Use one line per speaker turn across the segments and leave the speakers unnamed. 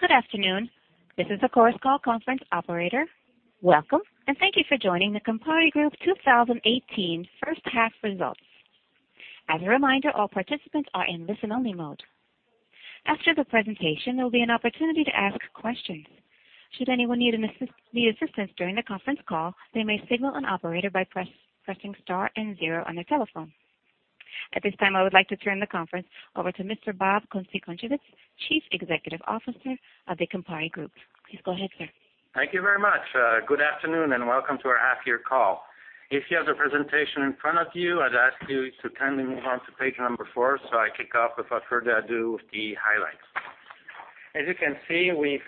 Good afternoon. This is the Chorus Call conference operator. Welcome, thank you for joining the Campari Group 2018 first half results. As a reminder, all participants are in listen-only mode. After the presentation, there will be an opportunity to ask questions. Should anyone need assistance during the conference call, they may signal an operator by pressing star and zero on their telephone. At this time, I would like to turn the conference over to Mr. Bob Kunze-Concewitz, Chief Executive Officer of the Campari Group. Please go ahead, sir.
Thank you very much. Good afternoon, welcome to our half year call. If you have the presentation in front of you, I would ask you to kindly move on to page number four. I kick off, without further ado, with the highlights. As you can see, we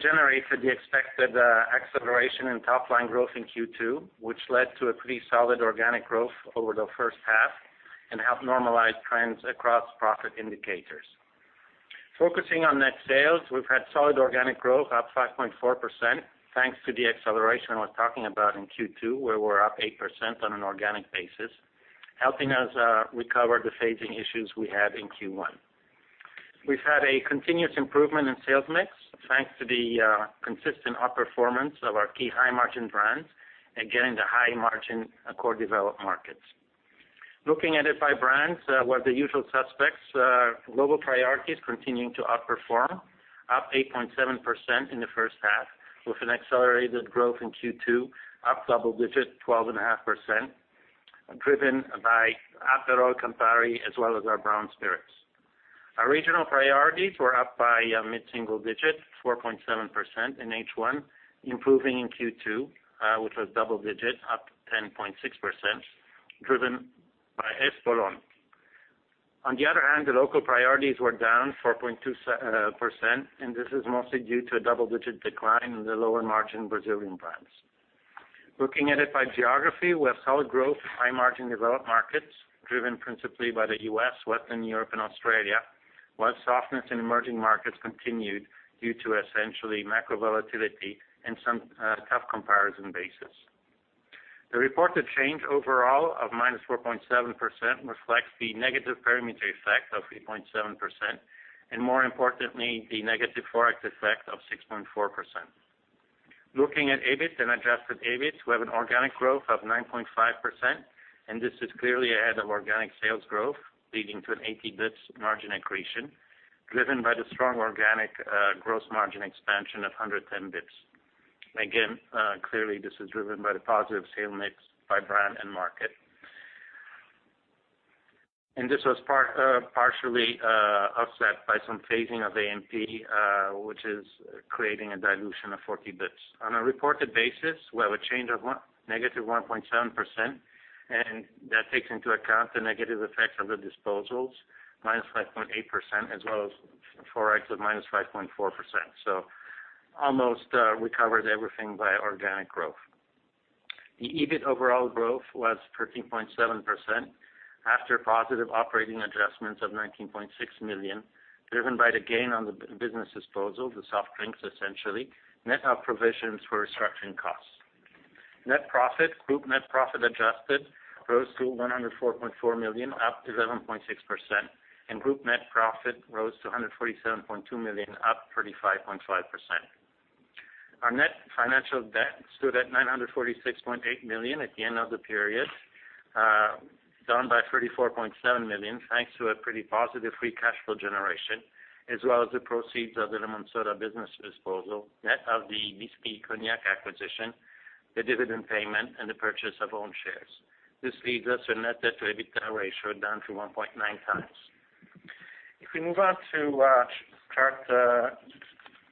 generated the expected acceleration in top-line growth in Q2, which led to a pretty solid organic growth over the first half and helped normalize trends across profit indicators. Focusing on net sales, we have had solid organic growth, up 5.4%, thanks to the acceleration I was talking about in Q2, where we are up 8% on an organic basis, helping us recover the phasing issues we had in Q1. We have had a continuous improvement in sales mix, thanks to the consistent outperformance of our key high-margin brands and getting the high-margin core developed markets. Looking at it by brands, we have the usual suspects. Global priorities continuing to outperform, up 8.7% in the first half with an accelerated growth in Q2, up double digits, 12.5%, driven by Aperol, Campari, as well as our brown spirits. Our regional priorities were up by mid-single digits, 4.7% in H1, improving in Q2, which was double digits, up 10.6%, driven by Espolòn. On the other hand, the local priorities were down 4.2%. This is mostly due to a double-digit decline in the lower-margin Brazilian brands. Looking at it by geography, we have solid growth of high-margin developed markets, driven principally by the U.S., Western Europe, and Australia, while softness in emerging markets continued due to essentially macro volatility and some tough comparison basis. The reported change overall of -4.7% reflects the negative perimeter effect of 3.7%. More importantly, the negative ForEx effect of 6.4%. Looking at EBIT and adjusted EBIT, we have an organic growth of 9.5%. This is clearly ahead of organic sales growth, leading to an 80 basis points margin accretion, driven by the strong organic gross margin expansion of 110 basis points. Again, clearly, this is driven by the positive sale mix by brand and market. This was partially offset by some phasing of A&P, which is creating a dilution of 40 basis points. On a reported basis, we have a change of -1.7%. That takes into account the negative effect of the disposals, -5.8%, as well as ForEx of -5.4%. Almost recovered everything by organic growth. The EBIT overall growth was 13.7% after positive operating adjustments of 19.6 million, driven by the gain on the business disposal, the soft drinks, essentially, net of provisions for restructuring costs. Group net profit adjusted rose to 104.4 million, up 11.6%, and group net profit rose to 147.2 million, up 35.5%. Our net financial debt stood at 946.8 million at the end of the period, down by 34.7 million, thanks to a pretty positive free cash flow generation, as well as the proceeds of the Lemonsoda business disposal, net of the Bisquit Cognac acquisition, the dividend payment, and the purchase of own shares. This leaves us a net debt to EBITDA ratio down to 1.9 times. If we move on to chart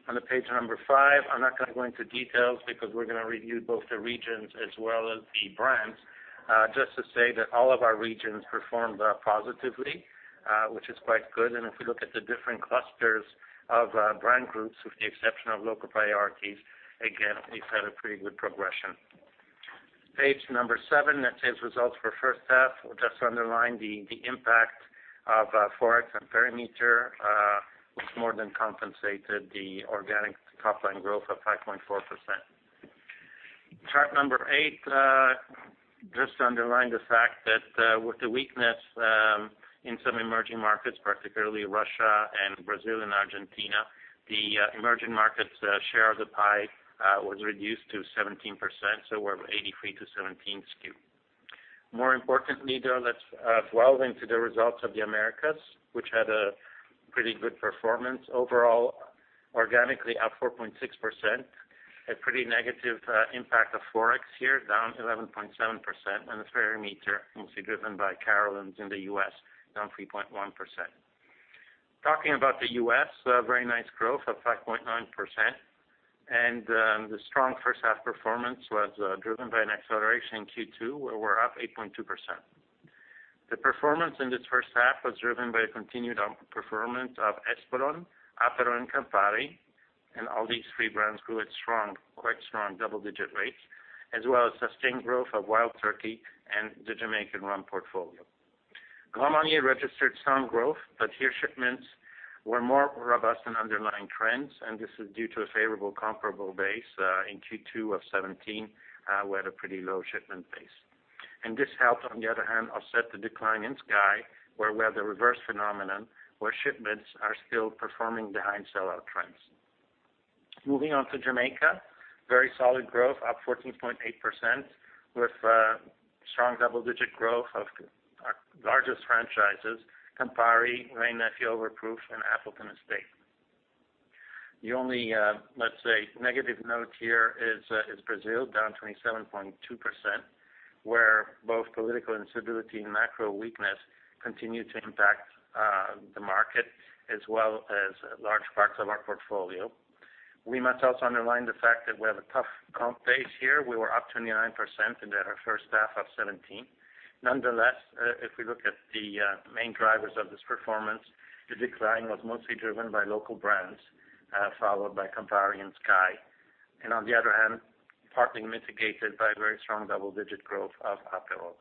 on the page number five, I'm not going to go into details because we're going to review both the regions as well as the brands. Just to say that all of our regions performed positively, which is quite good, and if we look at the different clusters of brand groups, with the exception of local priorities, again, we've had a pretty good progression. Page number seven, net sales results for first half. We'll just underline the impact of ForEx and perimeter, which more than compensated the organic top line growth of 5.4%. Chart number eight, just to underline the fact that with the weakness in some emerging markets, particularly Russia and Brazil and Argentina, the emerging markets share of the pie was reduced to 17%, so we're at 83 to 17 skew. More importantly, though, let's delve into the results of the Americas, which had a pretty good performance overall, organically up 4.6%. A pretty negative impact of ForEx here, down 11.7%, and its perimeter mostly driven by Carolans in the U.S., down 3.1%. Talking about the U.S., very nice growth of 5.9%, and the strong first half performance was driven by an acceleration in Q2, where we're up 8.2%. The performance in this first half was driven by a continued outperformance of Espolòn, Aperol, and Campari, and all these three brands grew at quite strong double-digit rates, as well as sustained growth of Wild Turkey and the Jamaican rum portfolio. Grand Marnier registered some growth, but here shipments were more robust than underlying trends, and this is due to a favorable comparable base in Q2 of 2017, we had a pretty low shipment base. And this helped, on the other hand, offset the decline in SKYY, where we have the reverse phenomenon, where shipments are still performing behind sellout trends. Moving on to Jamaica. Very solid growth, up 14.8%, with strong double-digit growth of our largest franchises, Campari, Wray & Nephew Overproof, and Appleton Estate. The only, let's say, negative note here is Brazil, down 27.2%, where both political instability and macro weakness continue to impact the market as well as large parts of our portfolio. We must also underline the fact that we have a tough comp base here. We were up 29% in the first half of 2017. Nonetheless, if we look at the main drivers of this performance, the decline was mostly driven by local brands, followed by Campari and SKYY. And on the other hand, partly mitigated by very strong double-digit growth of Aperol.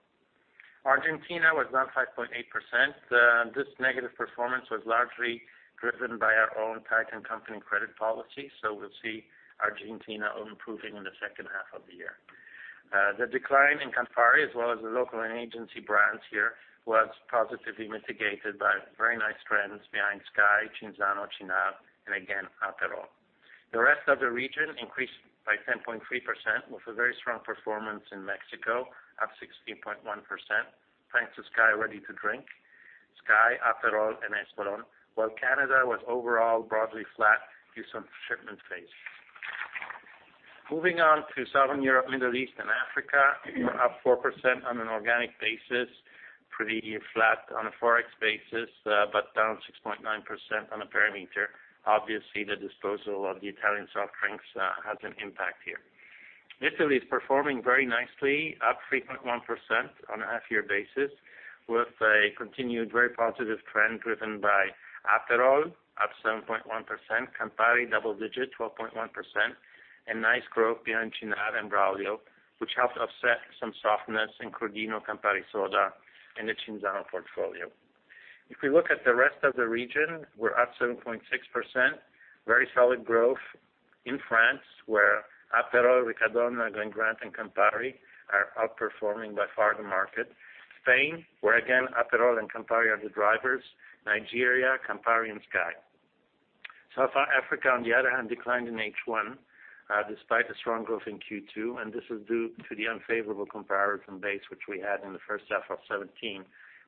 Argentina was down 5.8%. This negative performance was largely driven by our own tight and company credit policy. So we'll see Argentina improving in the second half of the year. The decline in Campari, as well as the local and agency brands here, was positively mitigated by very nice trends behind SKYY, Cinzano, Cynar, and again, Aperol. The rest of the region increased by 10.3% with a very strong performance in Mexico, up 16.1%, thanks to SKYY Ready to Drink, SKYY, Aperol, and Espolòn. While Canada was overall broadly flat due to some shipment phase. Moving on to Southern Europe, Middle East, and Africa, we are up 4% on an organic basis, pretty flat on a ForEx basis, but down 6.9% on a perimeter. Obviously, the disposal of the Italian soft drinks has an impact here. Italy is performing very nicely, up 3.1% on a half-year basis, with a continued very positive trend driven by Aperol, up 7.1%, Campari double digits, 12.1%, and nice growth behind Cynar and Braulio, which helped offset some softness in Crodino, Campari Soda, and the Cinzano portfolio. If we look at the rest of the region, we are up 7.6%. Very solid growth in France, where Aperol, Riccadonna, Glen Grant, and Campari are outperforming by far the market. Spain, where again, Aperol and Campari are the drivers. Nigeria, Campari and SKYY. South Africa, on the other hand, declined in H1 despite the strong growth in Q2, and this is due to the unfavorable comparison base which we had in the first half of 2017,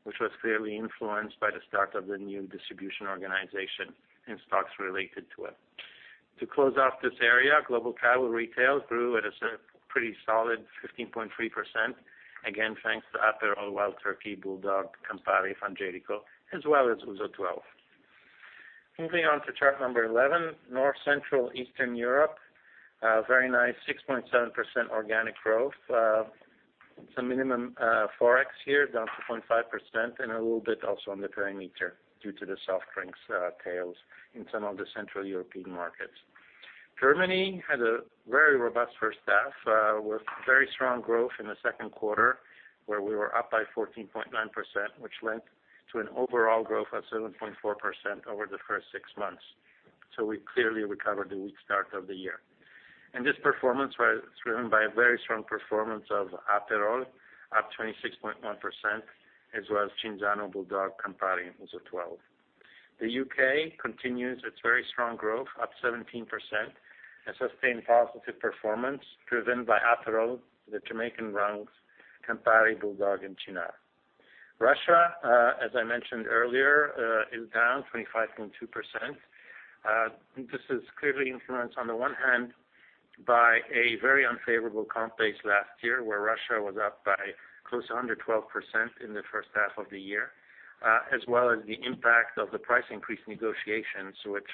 which was clearly influenced by the start of the new distribution organization and stocks related to it. To close off this area, global travel retail grew at a pretty solid 15.3%. Again, thanks to Aperol, Wild Turkey, Bulldog, Campari, Frangelico, as well as Ouzo 12. Moving on to chart number 11, North, Central, Eastern Europe. A very nice 6.7% organic growth. Some minimum ForEx here, down 2.5%, and a little bit also on the perimeter due to the soft drinks tails in some of the Central European markets. Germany had a very robust first half, with very strong growth in the second quarter, where we were up by 14.9%, which led to an overall growth of 7.4% over the first six months. We clearly recovered the weak start of the year. This performance was driven by a very strong performance of Aperol, up 26.1%, as well as Cinzano, Bulldog, Campari, and Ouzo 12. The U.K. continues its very strong growth, up 17%, and sustained positive performance driven by Aperol, the Jamaican rums, Campari, Bulldog, and Cynar. Russia, as I mentioned earlier, is down 25.2%. This is clearly influenced, on the one hand, by a very unfavorable comp base last year, where Russia was up by close to under 12% in the first half of the year, as well as the impact of the price increase negotiations which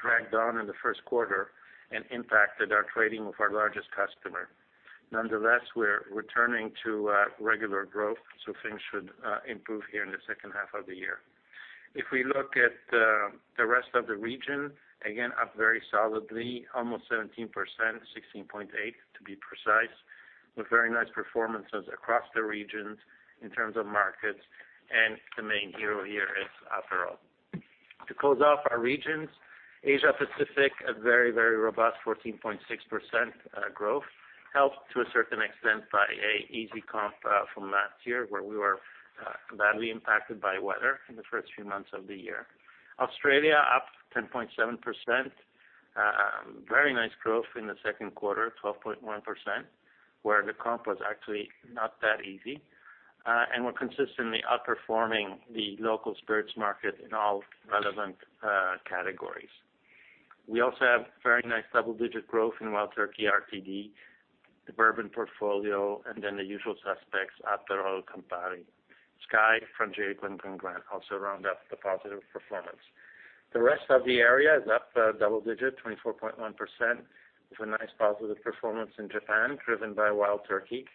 dragged on in the first quarter and impacted our trading with our largest customer. Nonetheless, we are returning to regular growth, things should improve here in the second half of the year. If we look at the rest of the region, again, up very solidly, almost 17%, 16.8% to be precise, with very nice performances across the regions in terms of markets, the main hero here is Aperol. To close off our regions, Asia Pacific, a very, very robust 14.6% growth, helped to a certain extent by an easy comp from last year, where we were badly impacted by weather in the first few months of the year. Australia up 10.7%. A very nice growth in the second quarter, 12.1%, where the comp was actually not that easy. We're consistently outperforming the local spirits market in all relevant categories. We also have very nice double-digit growth in Wild Turkey RTD, the bourbon portfolio, and then the usual suspects, Aperol, Campari, SKYY, Frangelico, and Glen Grant also round up the positive performance. The rest of the area is up double digits, 24.1%, with a nice positive performance in Japan driven by Wild Turkey,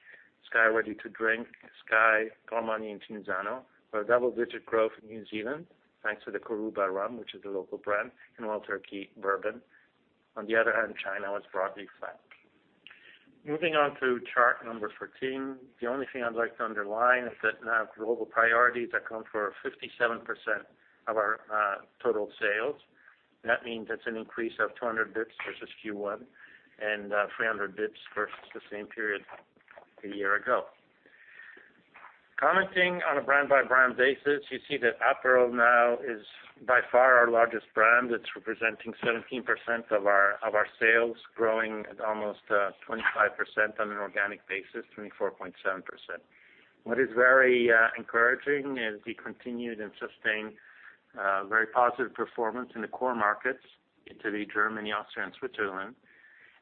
SKYY Ready to Drink, SKYY, Carmignano, and Cinzano. We had double-digit growth in New Zealand, thanks to the Coruba Rum, which is a local brand, and Wild Turkey bourbon. China was broadly flat. Moving on to chart number 14. The only thing I'd like to underline is that now global priorities account for 57% of our total sales. That means it's an increase of 200 basis points versus Q1, and 300 basis points versus the same period a year ago. Commenting on a brand by brand basis, you see that Aperol now is by far our largest brand. It's representing 17% of our sales, growing at almost 25% on an organic basis, 24.7%. What is very encouraging is the continued and sustained very positive performance in the core markets, Italy, Germany, Austria, and Switzerland.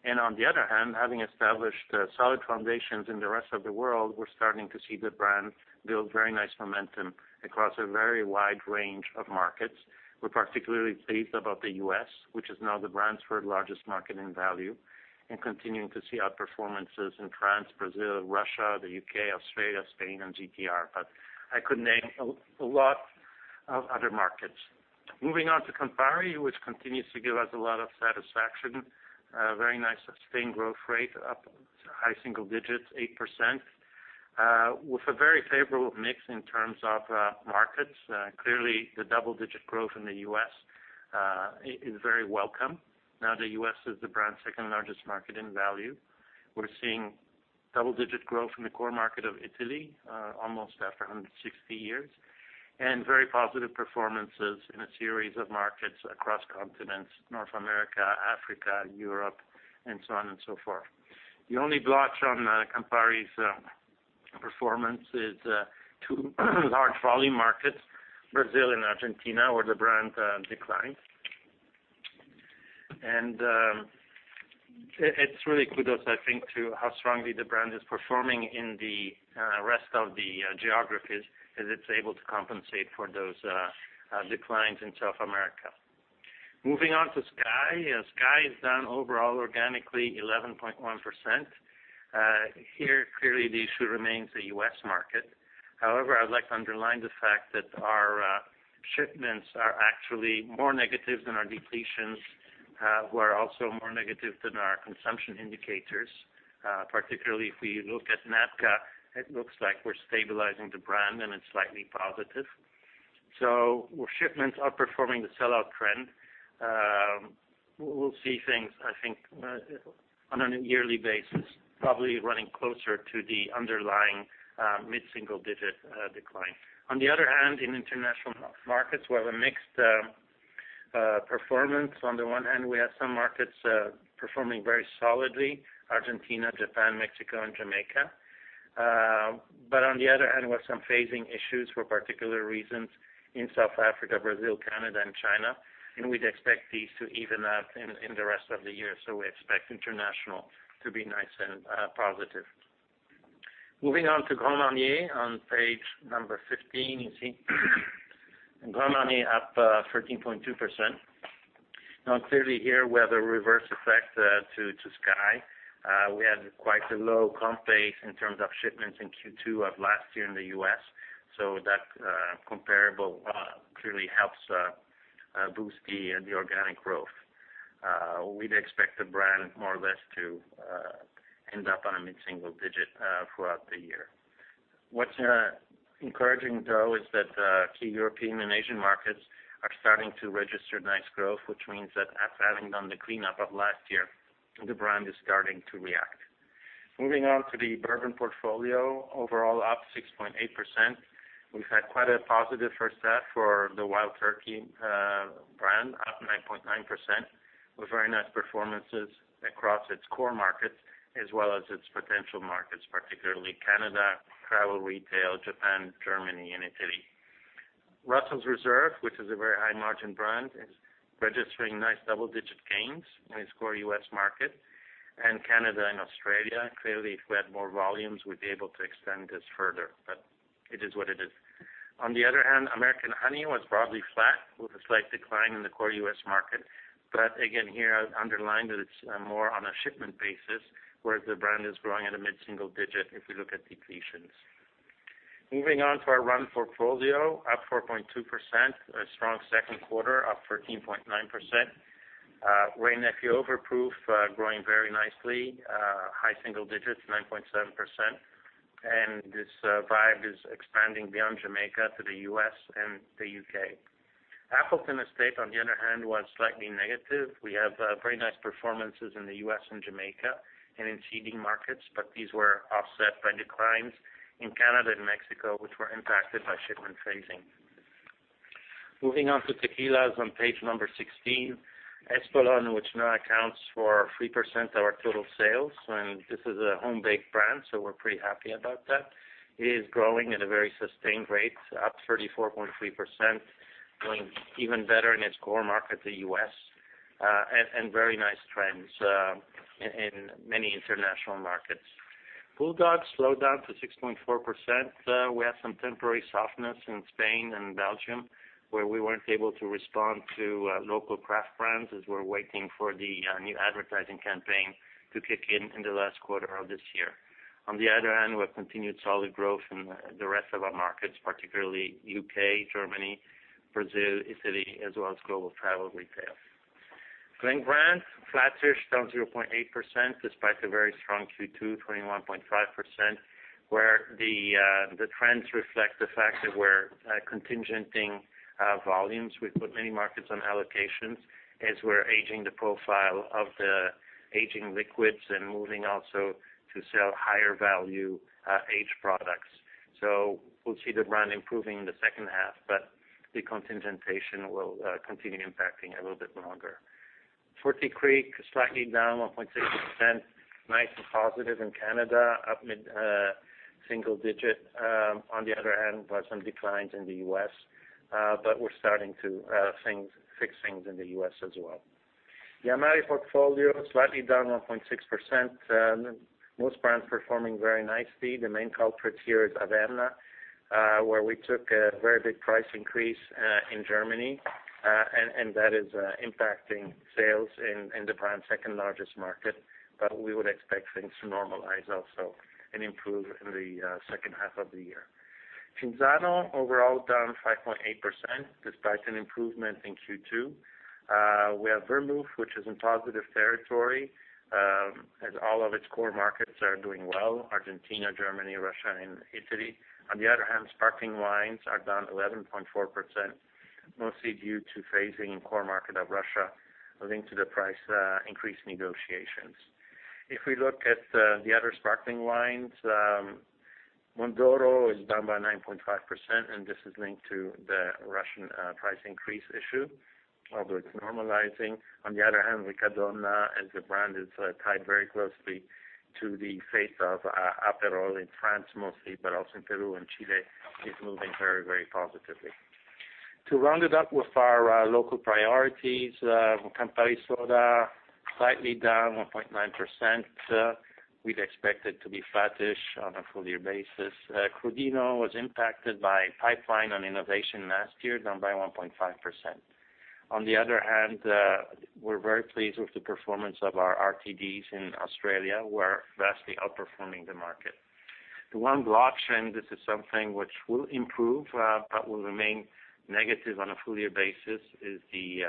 On the other hand, having established solid foundations in the rest of the world, we're starting to see the brand build very nice momentum across a very wide range of markets. We are particularly pleased about the U.S., which is now the brand's third largest market in value, and continuing to see out performances in France, Brazil, Russia, the U.K., Australia, Spain, and GTR. I could name a lot of other markets. Moving on to Campari, which continues to give us a lot of satisfaction. A very nice sustained growth rate, up high single digits, 8%, with a very favorable mix in terms of markets. Clearly, the double-digit growth in the U.S. is very welcome. Now the U.S. is the brand's second-largest market in value. We're seeing double-digit growth in the core market of Italy, almost after 160 years, and very positive performances in a series of markets across continents, North America, Africa, Europe, and so on and so forth. The only blotch on Campari's performance is two large volume markets, Brazil and Argentina, where the brand declined. It's really kudos, I think, to how strongly the brand is performing in the rest of the geographies, as it's able to compensate for those declines in South America. Moving on to SKYY. SKYY is down overall organically 11.1%. Here, clearly the issue remains the U.S. market. However, I would like to underline the fact that our shipments are actually more negative than our depletions, who are also more negative than our consumption indicators. Particularly if we look at NABCA, it looks like we're stabilizing the brand, and it's slightly positive. Where shipments are performing the sellout trend, we'll see things, I think, on a yearly basis, probably running closer to the underlying mid-single digit decline. In international markets, we have a mixed performance. On the one hand, we have some markets performing very solidly, Argentina, Japan, Mexico, and Jamaica. We have some phasing issues for particular reasons in South Africa, Brazil, Canada, and China. We'd expect these to even out in the rest of the year. We expect international to be nice and positive. Moving on to Grand Marnier on page 15. You see Grand Marnier up 13.2%. Clearly here, we have the reverse effect to SKYY. We had quite a low comp base in terms of shipments in Q2 of last year in the U.S. That comparable clearly helps boost the organic growth. We'd expect the brand more or less to end up on a mid-single digit throughout the year. What's encouraging though is that key European and Asian markets are starting to register nice growth, which means that after having done the cleanup of last year, the brand is starting to react. Moving on to the Bourbon portfolio. Overall up 6.8%. We've had quite a positive first half for the Wild Turkey brand, up 9.9%, with very nice performances across its core markets as well as its potential markets, particularly Canada, travel retail, Japan, Germany, and Italy. Russell's Reserve, which is a very high margin brand, is registering nice double-digit gains in its core U.S. market and Canada and Australia. If we had more volumes, we'd be able to extend this further, but it is what it is. American Honey was broadly flat with a slight decline in the core U.S. market. Again, here underlined that it's more on a shipment basis, whereas the brand is growing at a mid-single digit if we look at depletions. Moving on to our Rum portfolio, up 4.2%, a strong second quarter, up 13.9%. Wray & Nephew Overproof growing very nicely, high single digits, 9.7%. This vibe is expanding beyond Jamaica to the U.S. and the U.K. Appleton Estate was slightly negative. We have very nice performances in the U.S. and Jamaica and in seeding markets, but these were offset by declines in Canada and Mexico, which were impacted by shipment phasing. Moving on to Tequilas on page 16. Espolòn, which now accounts for 3% of our total sales, and this is a home-baked brand, we're pretty happy about that. It is growing at a very sustained rate, up 34.3%, doing even better in its core market, the U.S., and very nice trends in many international markets. Bulldog slowed down to 6.4%. We have some temporary softness in Spain and Belgium, where we weren't able to respond to local craft brands as we're waiting for the new advertising campaign to kick in in the last quarter of this year. We have continued solid growth in the rest of our markets, particularly U.K., Germany, Brazil, Italy, as well as global travel retail. Glen Grant, flattish, down 0.8%, despite a very strong Q2, 21.5%, where the trends reflect the fact that we're contingenting volumes. We've put many markets on allocations as we're aging the profile of the aging liquids and moving also to sell higher value aged products. We'll see the brand improving in the second half, but the contingentation will continue impacting a little bit longer. Forty Creek, slightly down 1.6%, nice and positive in Canada, up mid-single digit. On the other hand, we've some declines in the U.S., but we're starting to fix things in the U.S. as well. The Amari portfolio, slightly down 1.6%, most brands performing very nicely. The main culprit here is Averna, where we took a very big price increase in Germany, and that is impacting sales in the brand's second largest market. But we would expect things to normalize also and improve in the second half of the year. Cinzano, overall down 5.8%, despite an improvement in Q2. We have Vermouth, which is in positive territory, as all of its core markets are doing well, Argentina, Germany, Russia and Italy. On the other hand, sparkling wines are down 11.4%, mostly due to phasing in core market of Russia, linked to the price increase negotiations. If we look at the other sparkling wines, Mondoro is down by 9.5%, and this is linked to the Russian price increase issue, although it's normalizing. On the other hand, Riccadonna, as the brand is tied very closely to the fate of Aperol in France mostly, but also in Peru and Chile, is moving very positively. To round it up with our local priorities, Campari Soda, slightly down 1.9%. We'd expect it to be flattish on a full year basis. Crodino was impacted by pipeline on innovation last year, down by 1.5%. On the other hand, we're very pleased with the performance of our RTDs in Australia, we're vastly outperforming the market. The one blotch, and this is something which will improve, but will remain negative on a full year basis, is the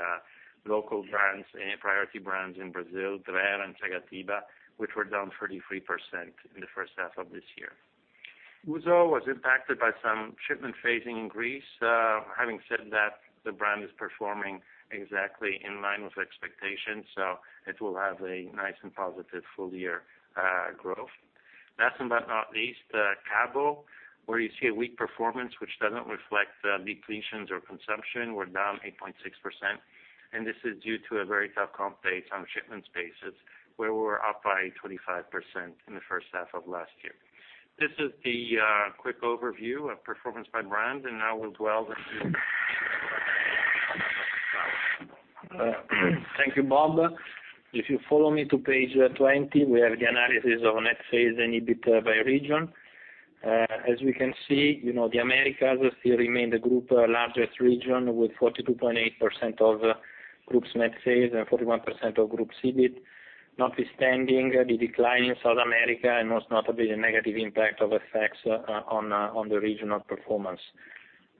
local brands and priority brands in Brazil, Dreher and Sagatiba, which were down 33% in the first half of this year. Ouzo was impacted by some shipment phasing in Greece. Having said that, the brand is performing exactly in line with expectations, so it will have a nice and positive full year growth. Last but not least, Cabo, where you see a weak performance which doesn't reflect depletions or consumption. We're down 8.6%, and this is due to a very tough comp base on shipments basis, where we were up by 25% in the first half of last year. This is the quick overview of performance by brand, and now we'll dwell into
Thank you, Bob. If you follow me to page 20, we have the analysis of net sales and EBIT by region. As we can see, the Americas still remain the group largest region with 42.8% of group's net sales and 41% of group's EBIT. Notwithstanding the decline in South America, and most notably the negative impact of FX on the regional performance.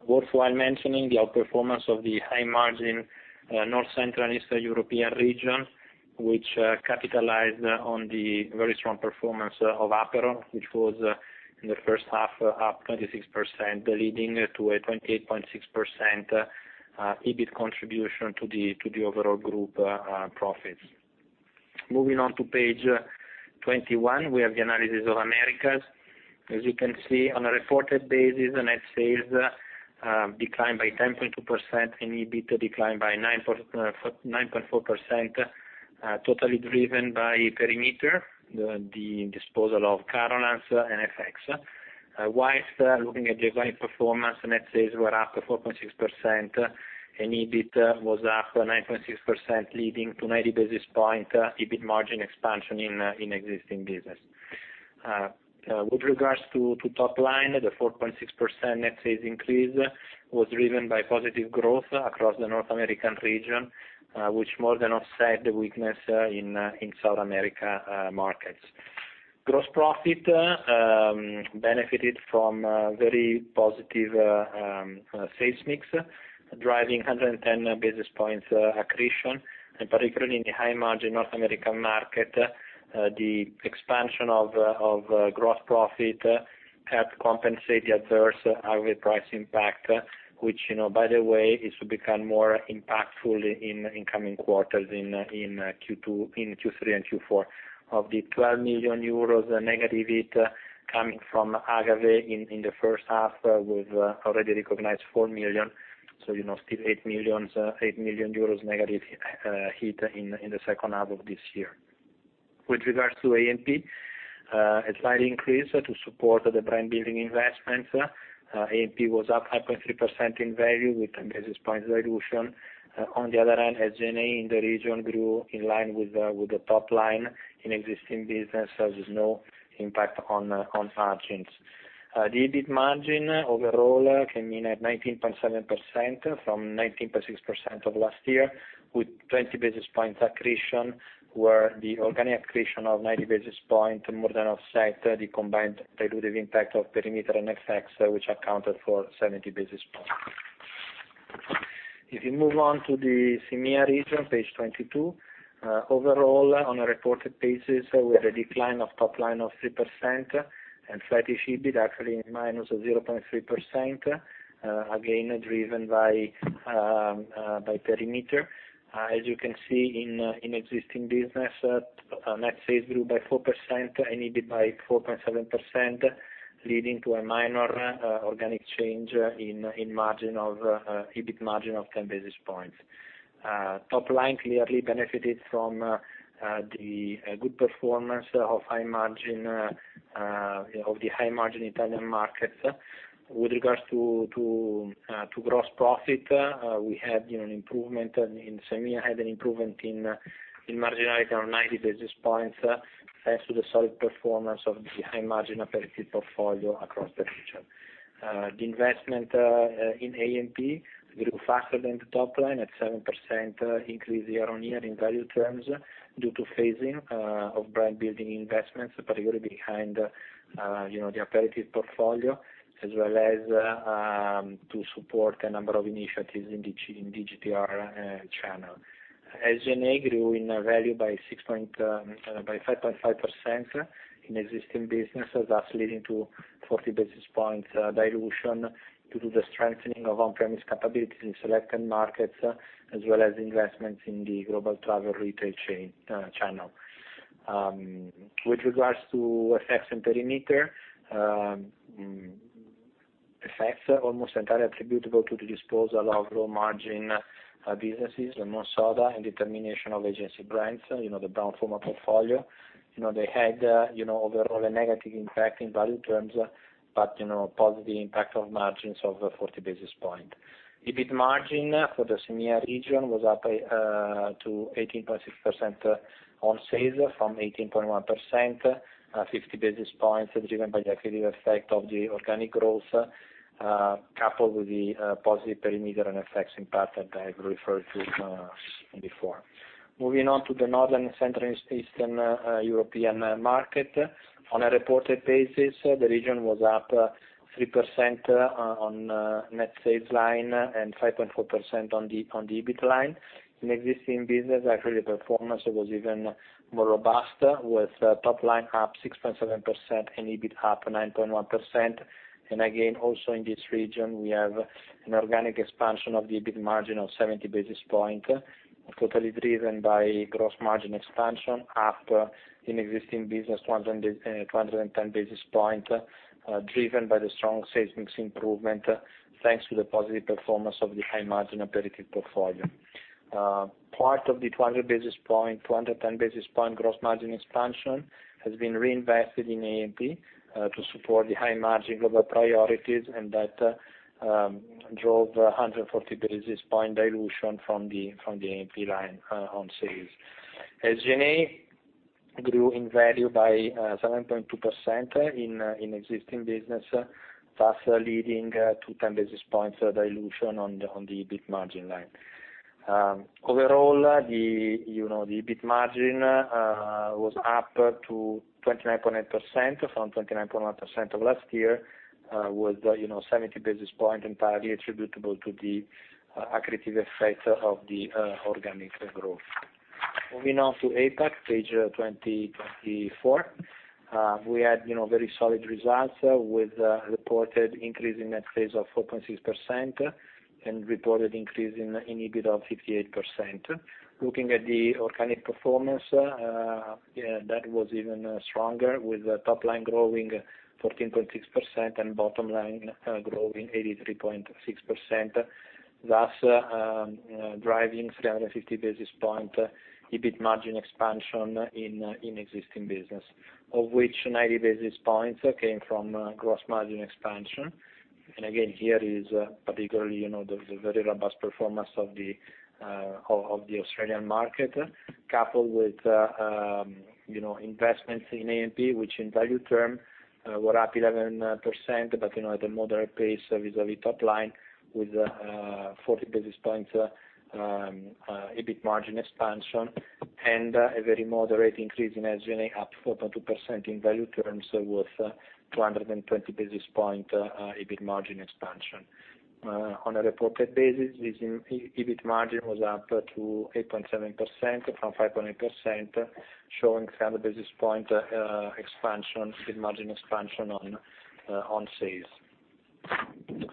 Worthwhile mentioning the outperformance of the high margin North Central and Eastern European region, which capitalized on the very strong performance of Aperol, which was in the first half up 26%, leading to a 28.6% EBIT contribution to the overall group profits. Moving on to page 21, we have the analysis of Americas. As you can see, on a reported basis, the net sales declined by 10.2%, and EBIT declined by 9.4%, totally driven by perimeter, the disposal of Carolans and FX. Whilst looking at geographic performance, net sales were up 4.6%, and EBIT was up 9.6%, leading to 90 basis points EBIT margin expansion in existing business. With regards to top line, the 4.6% net sales increase was driven by positive growth across the North American region, which more than offset the weakness in South America markets. Gross profit benefited from very positive sales mix, driving 110 basis points accretion, and particularly in the high margin North American market, the expansion of gross profit helped compensate the adverse Agave price impact, which, by the way, is to become more impactful in coming quarters in Q3 and Q4. Of the 12 million euros negative hit coming from Agave in the first half, we've already recognized 4 million, so still 8 million euros negative hit in the second half of this year. With regards to A&P, a slight increase to support the brand building investments. A&P was up 5.3% in value with 10 basis points dilution. On the other hand, SG&A in the region grew in line with the top line in existing business, so there's no impact on margins. The EBIT margin overall came in at 19.7% from 19.6% of last year, with 20 basis points accretion, where the organic accretion of 90 basis points more than offset the combined dilutive impact of perimeter and FX, which accounted for 70 basis points. If you move on to the EMEA region, page 22. Overall, on a reported basis, we had a decline of top line of 3% and flattish EBIT, actually -0.3%, again, driven by perimeter. As you can see in existing business, net sales grew by 4% and EBIT by 4.7%, leading to a minor organic change in EBIT margin of 10 basis points. Top line clearly benefited from the good performance of the high margin Italian market. With regards to gross profit, EMEA had an improvement in marginality of 90 basis points, thanks to the solid performance of the high margin aperitif portfolio across the region. The investment in A&P grew faster than the top line, at 7% increase year-on-year in value terms due to phasing of brand building investments, particularly behind the aperitif portfolio, as well as to support a number of initiatives in the GTR channel. SG&A grew in value by 5.5% in existing businesses, thus leading to 40 basis points dilution due to the strengthening of on-premise capabilities in selected markets, as well as investments in the global travel retail chain channel. With regards to FX and perimeter. FX, almost entirely attributable to the disposal of low margin businesses, Lemonsoda and the termination of agency brands, the Brown-Forman portfolio. They had, overall, a negative impact in value terms, but a positive impact on margins of 40 basis points. EBIT margin for the EMEA region was up to 18.6% on sales from 18.1%, 50 basis points driven by the accretive effect of the organic growth, coupled with the positive perimeter and FX impact that I have referred to before. Moving on to the Northern and Central Eastern European market. On a reported basis, the region was up 3% on net sales line and 5.4% on the EBIT line. In existing business, actually, performance was even more robust, with top line up 6.7% and EBIT up 9.1%. Again, also in this region, we have an organic expansion of the EBIT margin of 70 basis points, totally driven by gross margin expansion, up in existing business 210 basis points, driven by the strong sales mix improvement, thanks to the positive performance of the high margin aperitif portfolio. Part of the 210 basis points gross margin expansion has been reinvested in A&P to support the high margin global priorities, and that drove 140 basis points dilution from the A&P line on sales. SG&A grew in value by 7.2% in existing business, thus leading to 10 basis points dilution on the EBIT margin line. Overall, the EBIT margin was up to 29.8% from 29.1% of last year, with 70 basis points entirely attributable to the accretive effect of the organic growth. Moving on to APAC, page 24. We had very solid results with a reported increase in net sales of 4.6% and reported increase in EBIT of 58%. Looking at the organic performance, that was even stronger, with top line growing 14.6% and bottom line growing 83.6%. Thus, driving 350 basis points EBIT margin expansion in existing business, of which 90 basis points came from gross margin expansion. Again, here is particularly the very robust performance of the Australian market, coupled with investments in A&P, which in value term were up 11%, but at a moderate pace vis-à-vis top line, with 40 basis points EBIT margin expansion and a very moderate increase in SG&A, up 4.2% in value terms, with 220 basis points EBIT margin expansion. On a reported basis, EBIT margin was up to 8.7% from 5.8%, showing 300 basis points EBIT margin expansion on sales.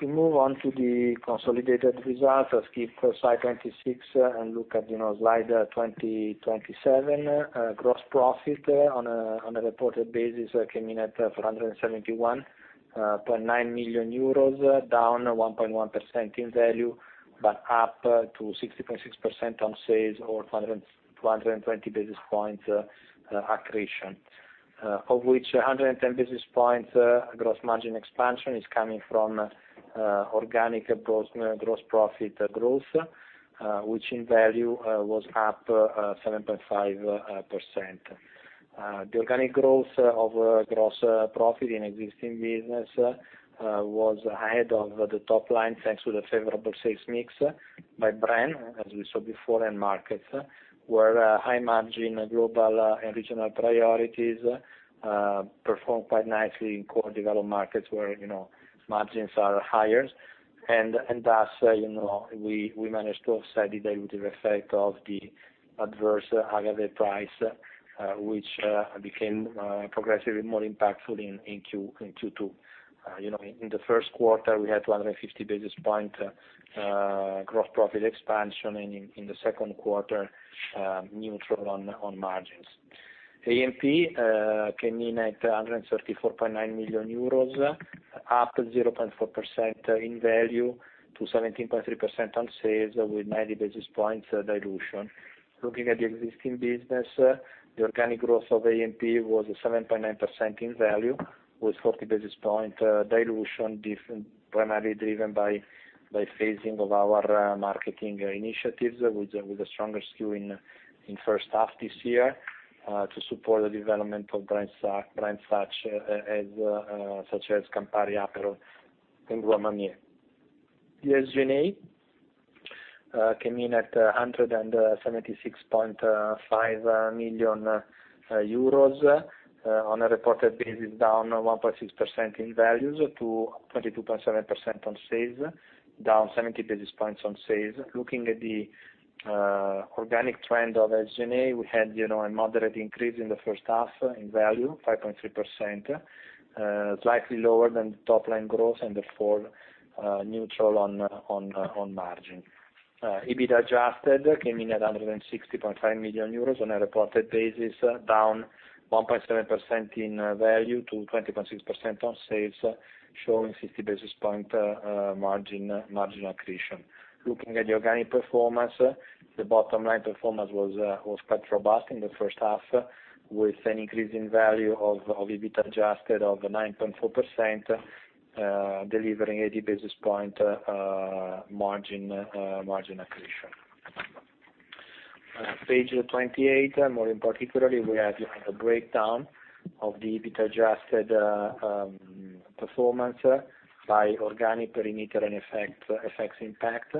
We move on to the consolidated results, skip slide 26 and look at slide 27. Gross profit on a reported basis came in at 471.9 million euros, down 1.1% in value, but up to 60.6% on sales or 220 basis points accretion. Of which, 110 basis points gross margin expansion is coming from organic gross profit growth, which in value was up 7.5%. The organic growth of gross profit in existing business was ahead of the top line, thanks to the favorable sales mix by brand, as we saw before, and markets, where high margin global and regional priorities performed quite nicely in core developed markets where margins are higher. Thus, we managed to offset the dilutive effect of the adverse agave price, which became progressively more impactful in Q2. The first quarter, we had 250 basis points gross profit expansion, and the second quarter, neutral on margins. A&P came in at 134.9 million euros, up 0.4% in value to 17.3% on sales, with 90 basis points dilution. Looking at the existing business, the organic growth of A&P was 7.9% in value, with 40 basis points dilution, primarily driven by the phasing of our marketing initiatives, with a stronger skew in first half this year to support the development of brands such as Campari, Aperol, and Grand Marnier. The SG&A came in at 176.5 million euros on a reported basis, down 1.6% in values to 22.7% on sales, down 70 basis points on sales. Looking at the organic trend of SG&A, we had a moderate increase in the first half in value, 5.3%, slightly lower than the top-line growth, and therefore neutral on margin. EBITDA adjusted came in at 160.5 million euros on a reported basis, down 1.7% in value to 20.6% on sales, showing 50 basis points margin accretion. Looking at the organic performance, the bottom line performance was quite robust in the first half, with an increase in value of EBITDA adjusted of 9.4%, delivering 80 basis points margin accretion. Page 28, more in particularly, we have a breakdown of the EBITDA adjusted performance by organic perimeter and FX impact.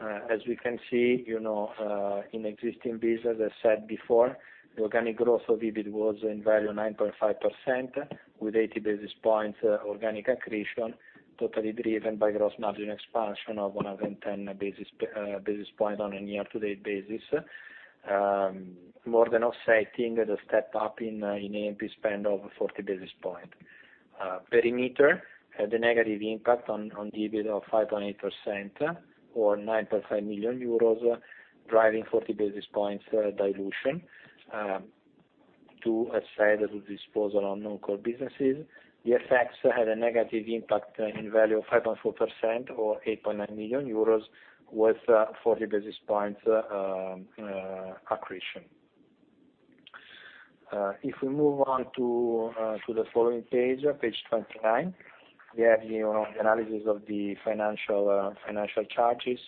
As we can see, in existing business, as I said before, the organic growth of EBIT was in value 9.5%, with 80 basis points organic accretion, totally driven by gross margin expansion of 110 basis points on a year-to-date basis, more than offsetting the step up in A&P spend of 40 basis points. Perimeter had a negative impact on the EBIT of 5.8%, or 9.5 million euros, driving 40 basis points dilution to [a sale or disposal on] non-core businesses. The FX had a negative impact in value of 5.4%, or 8.9 million euros, with 40 basis points accretion. If we move on to the following page 29, we have the analysis of the financial charges.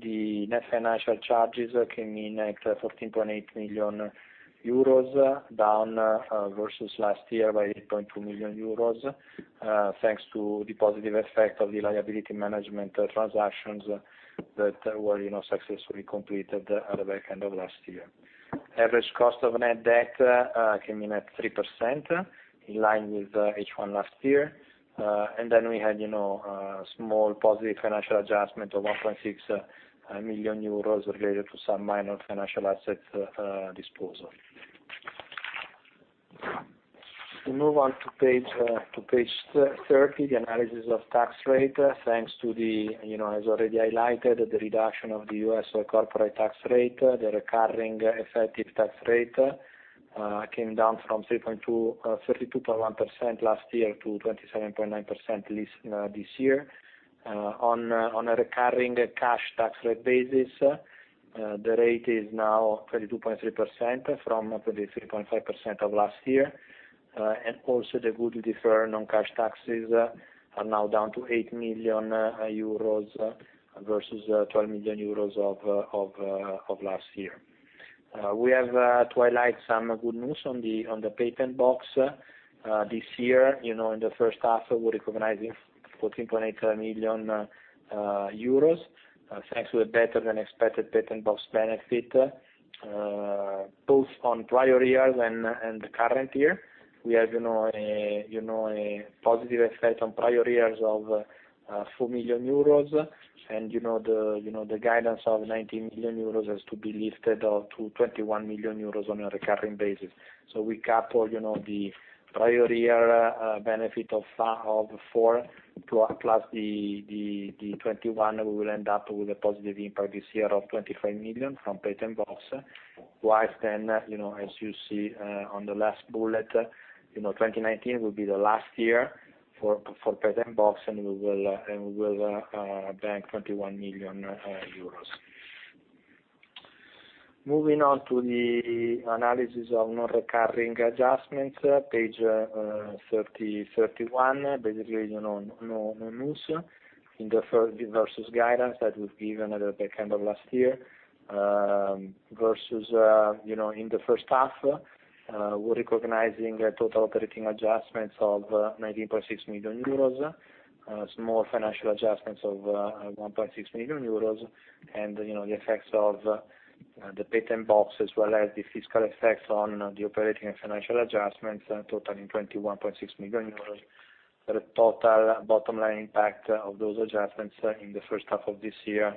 The net financial charges came in at 14.8 million euros, down versus last year by 8.2 million euros, thanks to the positive effect of the liability management transactions that were successfully completed at the back end of last year. Average cost of net debt came in at 3%, in line with H1 last year. Then we had a small positive financial adjustment of 1.6 million euros related to some minor financial asset disposal. If we move on to page 30, the analysis of tax rate, thanks to the, as already highlighted, the reduction of the U.S. corporate tax rate, the recurring effective tax rate came down from 32.1% last year to 27.9% this year. On a recurring cash tax rate basis, the rate is now 22.3%, from 23.5% of last year. Also the good deferred non-cash taxes are now down to 8 million euros versus 12 million euros of last year. We have to highlight some good news on the patent box. This year, in the first half, we're recognizing 14.8 million euros, thanks to a better than expected patent box benefit, both on prior years and the current year. We have a positive effect on prior years of 4 million euros, and the guidance of 19 million euros has to be lifted up to 21 million euros on a recurring basis. We couple the prior year benefit of four, plus the 21, we will end up with a positive impact this year of 25 million from patent box. Whilst, as you see on the last bullet, 2019 will be the last year for patent box, and we will bank 21 million euros. Moving on to the analysis of non-recurring adjustments, page 31. Basically, no news versus guidance that was given at the back end of last year. Versus in the first half, we're recognizing total operating adjustments of 19.6 million euros, small financial adjustments of 1.6 million euros, and the effects of the patent box as well as the fiscal effects on the operating and financial adjustments totaling 21.6 million euros. The total bottom line impact of those adjustments in the first half of this year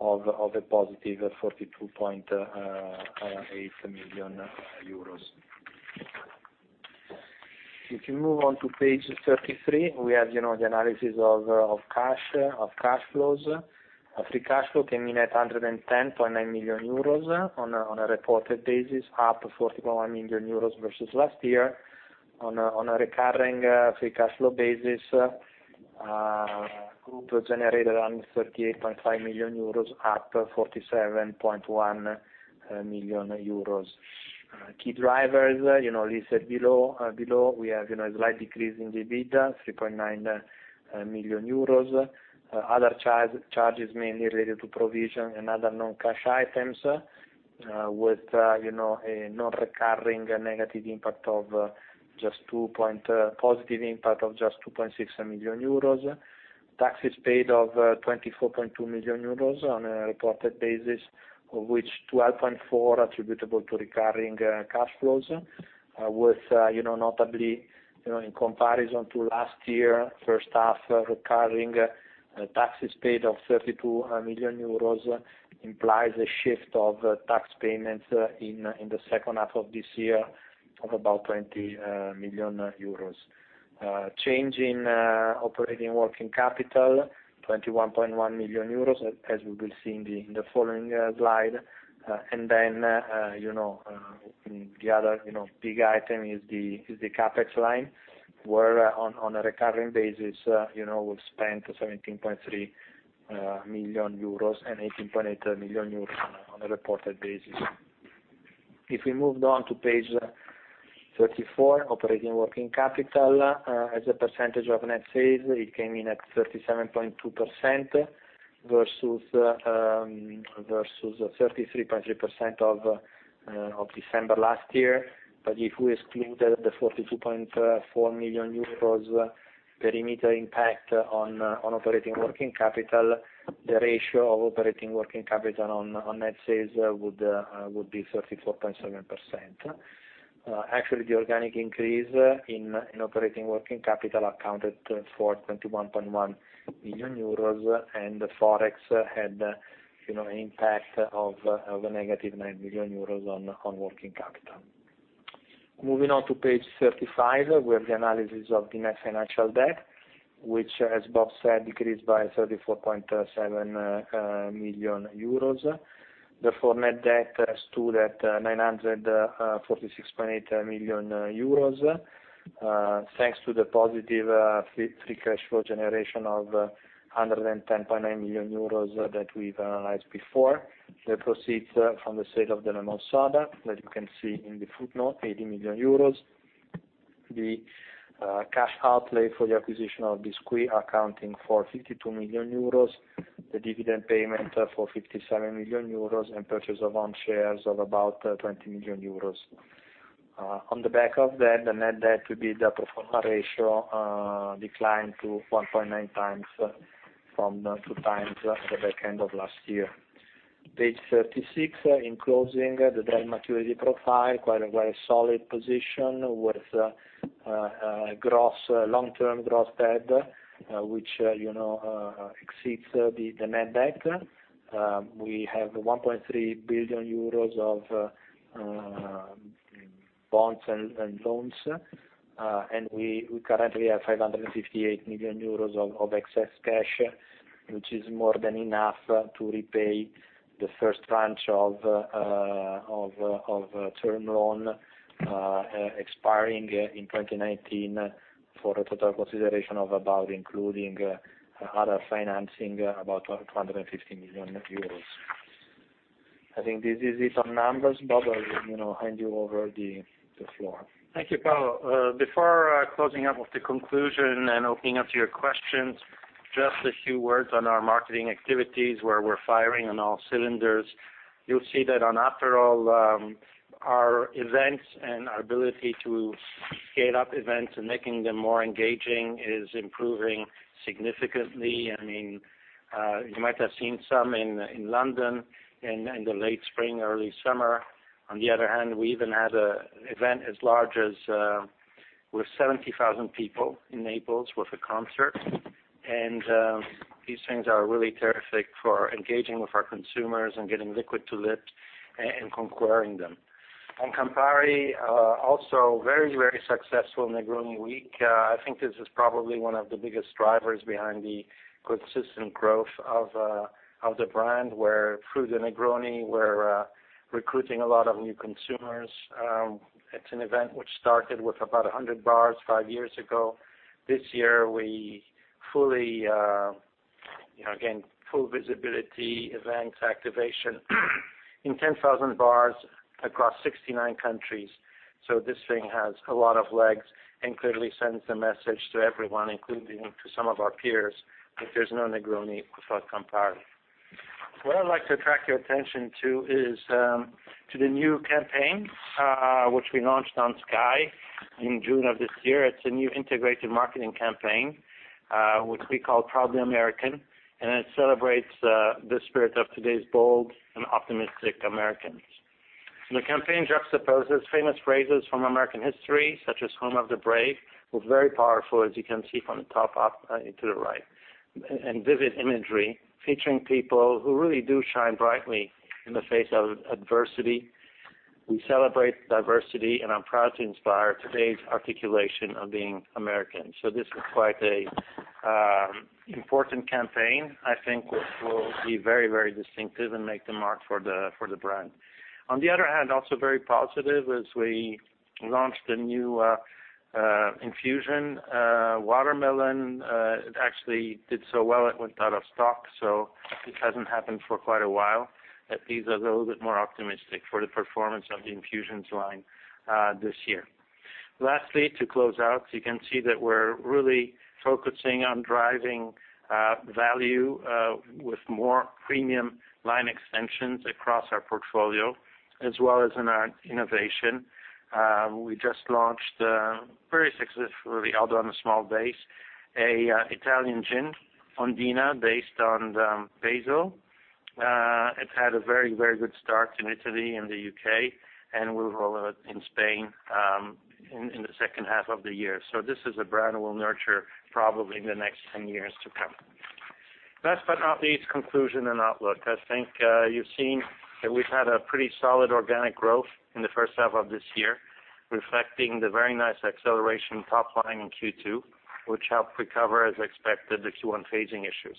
of a positive 42.8 million euros. Moving on to page 33, we have the analysis of cash flows. Free cash flow came in at 110.9 million euros on a reported basis, up 40.1 million euros versus last year. On a recurring free cash flow basis, group generated around 38.5 million euros, up 47.1 million euros. Key drivers, listed below, we have a slight decrease in EBITDA, 3.9 million euros. Other charges mainly related to provision and other non-cash items with a non-recurring positive impact of just 2.6 million euros. Taxes paid of 24.2 million euros on a reported basis, of which 12.4 attributable to recurring cash flows with notably, in comparison to last year, first half recurring taxes paid of 32 million euros implies a shift of tax payments in the second half of this year of about 20 million euros. Change in operating working capital, 21.1 million euros, as we will see in the following slide. The other big item is the CapEx line, where on a recurring basis we've spent 17.3 million euros and 18.8 million euros on a reported basis. Moving on to page 34, operating working capital as a percentage of net sales, it came in at 37.2% versus 33.3% of December last year. If we excluded the 42.4 million euros perimeter impact on operating working capital, the ratio of operating working capital on net sales would be 34.7%. Actually, the organic increase in operating working capital accounted for 21.1 million euros and ForEx had an impact of a negative 9 million euros on working capital. Moving on to page 35, we have the analysis of the net financial debt, which, as Bob said, decreased by 34.7 million euros. Net debt stood at 946.8 million euros. Thanks to the positive free cash flow generation of 110.9 million euros that we've analyzed before. The proceeds from the sale of the Lemonsoda that you can see in the footnote, 80 million euros. The cash outlay for the acquisition of Bisquit accounting for 52 million euros, the dividend payment for 57 million euros, and purchase of own shares of about 20 million euros. On the back of that, the net debt to EBITDA pro forma ratio declined to 1.9 times from two times at the back end of last year. Page 36, in closing, the debt maturity profile, quite a very solid position with long-term gross debt, which exceeds the net debt. We have 1.3 billion euros of bonds and loans. We currently have 558 million euros of excess cash, which is more than enough to repay the first tranche of term loan expiring in 2019 for a total consideration of about, including other financing, about 250 million euros. I think this is it on numbers. Bob, I hand you over the floor.
Thank you, Paolo. Before closing up with the conclusion and opening up to your questions, just a few words on our marketing activities, where we're firing on all cylinders. You'll see that on Aperol, our events and our ability to scale up events and making them more engaging is improving significantly. You might have seen some in London in the late spring, early summer. On the other hand, we even had an event as large as with 70,000 people in Naples with a concert. These things are really terrific for engaging with our consumers and getting liquid to lip and conquering them. On Campari, also very successful Negroni Week. I think this is probably one of the biggest drivers behind the consistent growth of the brand, where through the Negroni, we're recruiting a lot of new consumers. It's an event which started with about 100 bars five years ago. This year, again, full visibility events, activation in 10,000 bars across 69 countries. This thing has a lot of legs and clearly sends a message to everyone, including to some of our peers, that there's no Negroni without Campari. What I'd like to attract your attention to is to the new campaign, which we launched on SKYY in June of this year. It's a new integrated marketing campaign, which we call Proudly American, and it celebrates the spirit of today's bold and optimistic Americans. The campaign juxtaposes famous phrases from American history, such as Home of the Brave, was very powerful, as you can see from the top up and to the right, and vivid imagery featuring people who really do shine brightly in the face of adversity. We celebrate diversity, and I'm proud to inspire today's articulation of being American. This is quite an important campaign, I think, which will be very distinctive and make the mark for the brand. On the other hand, also very positive is we launched a new Infusion Watermelon. It actually did so well, it went out of stock, this hasn't happened for quite a while. That leaves us a little bit more optimistic for the performance of the Infusions line this year. Lastly, to close out, you can see that we're really focusing on driving value with more premium line extensions across our portfolio, as well as in our innovation. We just launched, very successfully, although on a small base, a Italian gin, O'ndina, based on basil. It had a very good start in Italy and the U.K., and we'll roll out in Spain in the second half of the year. This is a brand we'll nurture probably in the next 10 years to come. Last but not least, conclusion and outlook. I think you've seen that we've had a pretty solid organic growth in the first half of this year, reflecting the very nice acceleration top line in Q2, which helped recover, as expected, the Q1 phasing issues,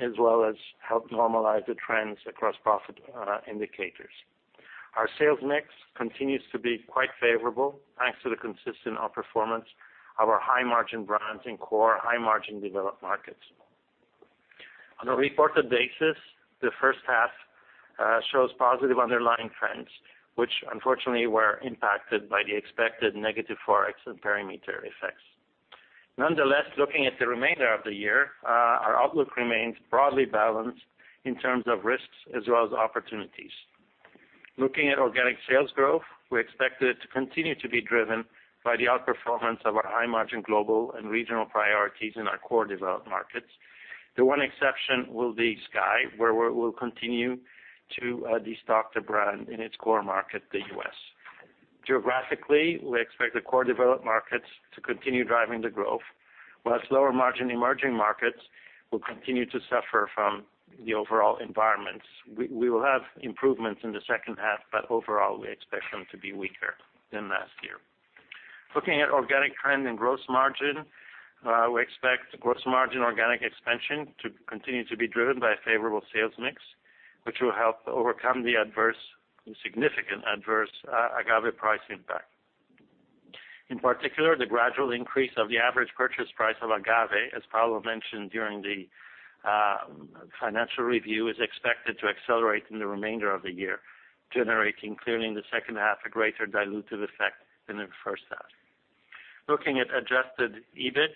as well as helped normalize the trends across profit indicators. Our sales mix continues to be quite favorable, thanks to the consistent outperformance of our high-margin brands in core high-margin developed markets. On a reported basis, the first half shows positive underlying trends, which unfortunately were impacted by the expected negative ForEx and perimeter effects. Nonetheless, looking at the remainder of the year, our outlook remains broadly balanced in terms of risks as well as opportunities. Looking at organic sales growth, we expect it to continue to be driven by the outperformance of our high-margin global and regional priorities in our core developed markets. The one exception will be SKYY, where we will continue to destock the brand in its core market, the U.S. Geographically, we expect the core developed markets to continue driving the growth, whilst lower margin emerging markets will continue to suffer from the overall environments. We will have improvements in the second half, but overall, we expect them to be weaker than last year. Looking at organic trend and gross margin, we expect gross margin organic expansion to continue to be driven by a favorable sales mix, which will help overcome the significant adverse agave price impact. In particular, the gradual increase of the average purchase price of agave, as Paolo mentioned during the financial review, is expected to accelerate in the remainder of the year, generating clearly in the second half a greater dilutive effect than in the first half. Looking at adjusted EBIT,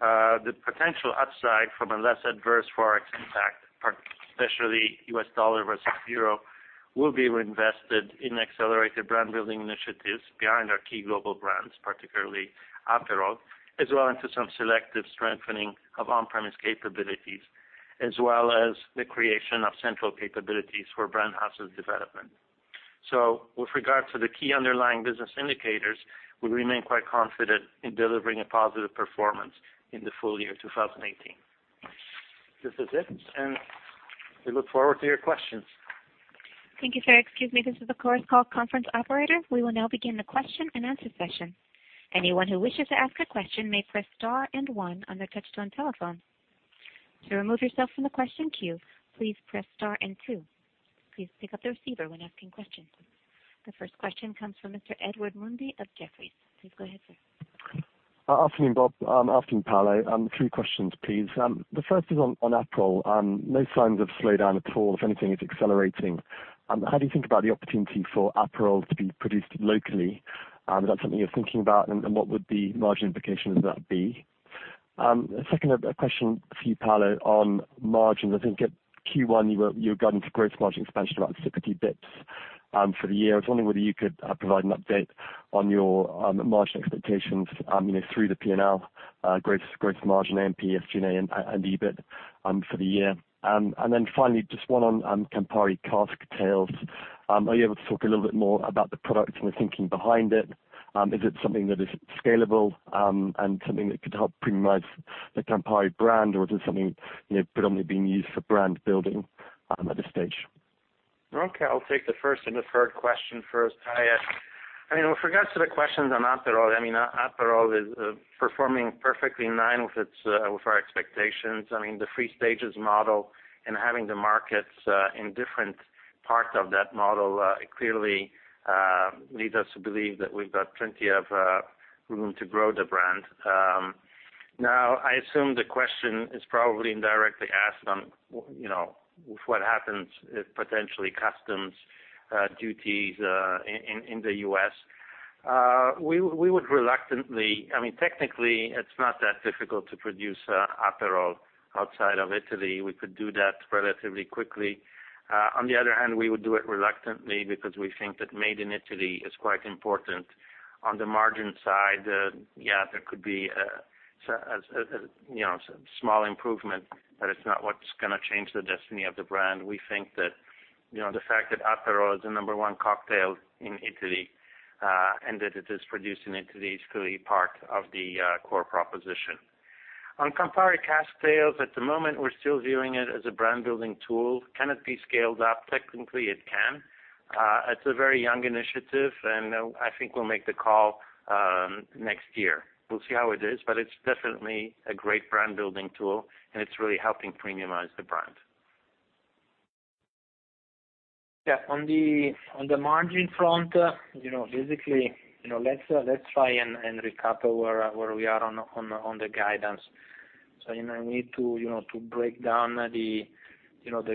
the potential upside from a less adverse ForEx impact, especially U.S. dollar versus EUR, will be reinvested in accelerated brand-building initiatives behind our key global brands, particularly Aperol, as well into some selective strengthening of on-premise capabilities, as well as the creation of central capabilities for brand houses development. With regard to the key underlying business indicators, we remain quite confident in delivering a positive performance in the full year 2018. This is it, and we look forward to your questions.
Thank you, sir. Excuse me, this is the Chorus Call conference operator. We will now begin the question-and-answer session. Anyone who wishes to ask a question may press star and one on their touch-tone telephone. To remove yourself from the question queue, please press star and two. Please pick up the receiver when asking questions. The first question comes from Mr. Edward Mundy of Jefferies. Please go ahead, sir.
Afternoon, Bob. Afternoon, Paolo. Three questions, please. The first is on Aperol. No signs of slowdown at all. If anything, it is accelerating. How do you think about the opportunity for Aperol to be produced locally? Is that something you are thinking about? And what would the margin implication of that be? Second question for you, Paolo, on margins. I think at Q1, you were guiding for gross margin expansion about 60 basis points for the year. I was wondering whether you could provide an update on your margin expectations through the P&L gross margin, A&P, SG&A, and EBIT for the year. Then finally, just one on Campari Cask Tales. Are you able to talk a little bit more about the product and the thinking behind it? Is it something that is scalable and something that could help premiumize the Campari brand, or is it something predominantly being used for brand building at this stage?
Okay. I'll take the first and the third question first, yes. With regards to the questions on Aperol is performing perfectly in line with our expectations. The three stages model and having the markets in different parts of that model clearly leads us to believe that we've got plenty of room to grow the brand. I assume the question is probably indirectly asked on what happens if potentially customs duties in the U.S. Technically, it's not that difficult to produce Aperol outside of Italy. We could do that relatively quickly. On the other hand, we would do it reluctantly because we think that made in Italy is quite important. On the margin side, yeah, there could be a small improvement, but it's not what's going to change the destiny of the brand. We think that the fact that Aperol is the number one cocktail in Italy, and that it is produced in Italy is clearly part of the core proposition. On Campari Cask Tales, at the moment, we're still viewing it as a brand-building tool. Can it be scaled up? Technically, it can. It's a very young initiative, and I think we'll make the call next year. We'll see how it is, but it's definitely a great brand-building tool, and it's really helping premiumize the brand.
Yeah. On the margin front, basically, let's try and recap where we are on the guidance. I need to break down the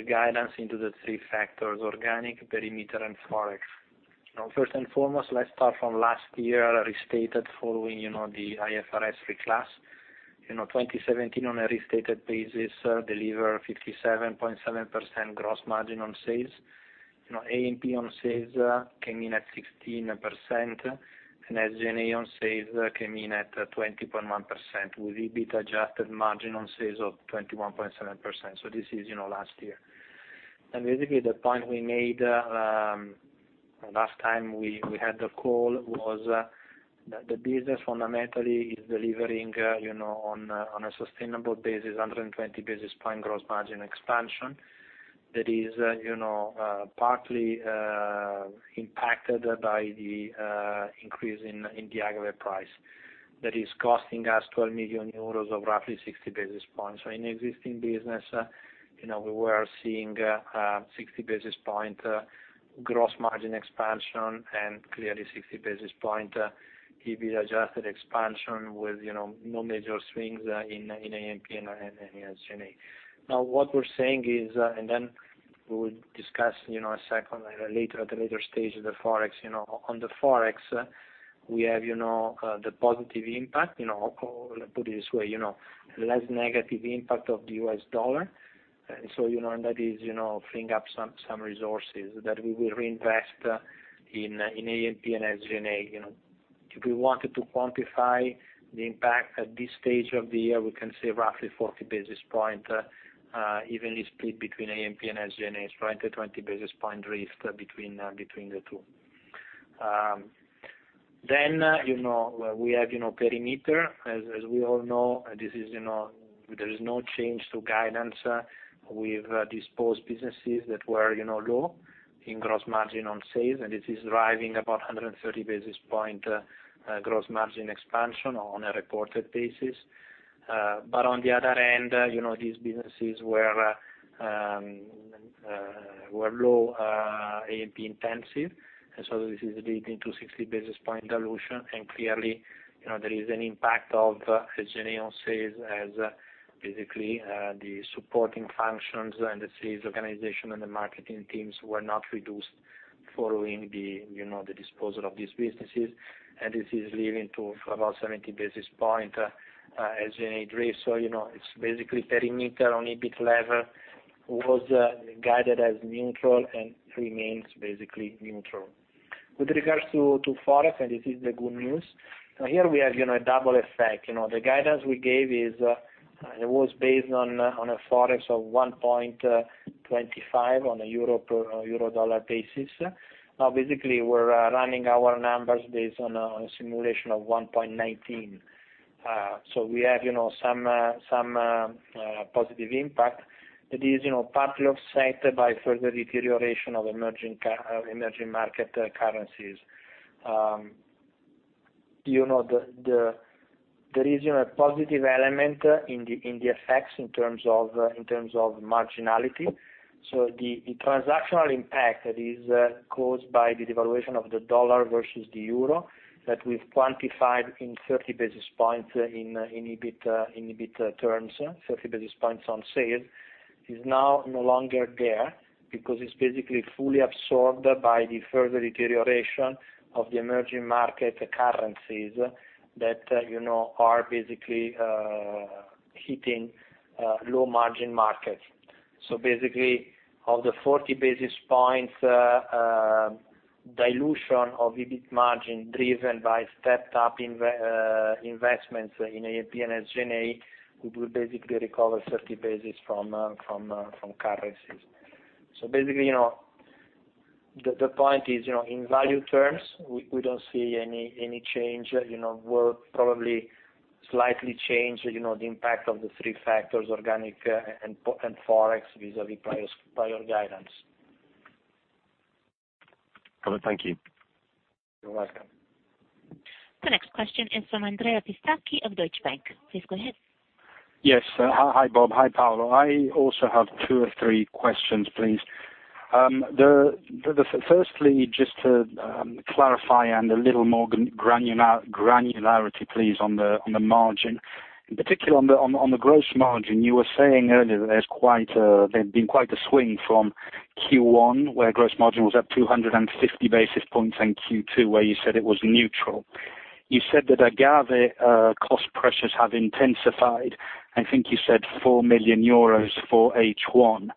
guidance into the three factors: organic, perimeter, and ForEx. First and foremost, let's start from last year restated following the IFRS reclass. 2017, on a restated basis, delivered 57.7% gross margin on sales. A&P on sales came in at 16%, and SG&A on sales came in at 20.1%, with EBIT adjusted margin on sales of 21.7%. This is last year. Basically, the point we made last time we had the call was that the business fundamentally is delivering, on a sustainable basis, 120 basis point gross margin expansion. That is partly impacted by the increase in the agave price that is costing us 12 million euros, or roughly 60 basis points. In existing business, we were seeing a 60 basis point gross margin expansion, and clearly 60 basis point EBIT adjusted expansion with no major swings in A&P and SG&A. Then we will discuss at a later stage, the ForEx. We have the positive impact, or let's put it this way, less negative impact of the U.S. dollar. That is freeing up some resources that we will reinvest in A&P and SG&A. If we wanted to quantify the impact at this stage of the year, we can say roughly 40 basis point, evenly split between A&P and SG&A, so 20 basis point drift between the two. We have perimeter. As we all know, there is no change to guidance with disposed businesses that were low in gross margin on sales, and it is driving about 130 basis point gross margin expansion on a reported basis. On the other end, these businesses were low A&P intensive, and so this is leading to 60 basis point dilution. Clearly, there is an impact of SG&A on sales as, the supporting functions and the sales organization and the marketing teams were not reduced following the disposal of these businesses. This is leading to about 70 basis point SG&A drift. It's perimeter on EBIT level, was guided as neutral and remains neutral. With regards to ForEx, this is the good news. Here we have a double effect. The guidance we gave was based on a ForEx of 1.25 on a EUR-dollar basis. We're running our numbers based on a simulation of 1.19. We have some positive impact that is partly offset by further deterioration of emerging market currencies. There is a positive element in the effects in terms of marginality. The transactional impact that is caused by the devaluation of the dollar versus the EUR that we've quantified in 30 basis points in EBIT terms, 30 basis points on sales, is now no longer there because it's fully absorbed by the further deterioration of the emerging market currencies that are hitting low margin markets. Of the 40 basis points dilution of EBIT margin driven by stepped up investments in A&P and SG&A, we will recover 30 basis from currencies. The point is, in value terms, we don't see any change. We'll probably slightly change the impact of the three factors, organic and ForEx, vis-a-vis prior guidance.
Paolo, thank you.
You're welcome.
The next question is from Andrea Pistacchi of Deutsche Bank. Please go ahead.
Hi, Bob. Hi, Paolo. I also have two or three questions, please. Firstly, just to clarify and a little more granularity, please, on the margin. In particular, on the gross margin, you were saying earlier there's been quite a swing from Q1, where gross margin was up 250 basis points, and Q2, where you said it was neutral. You said that agave cost pressures have intensified. I think you said €4 million for H1.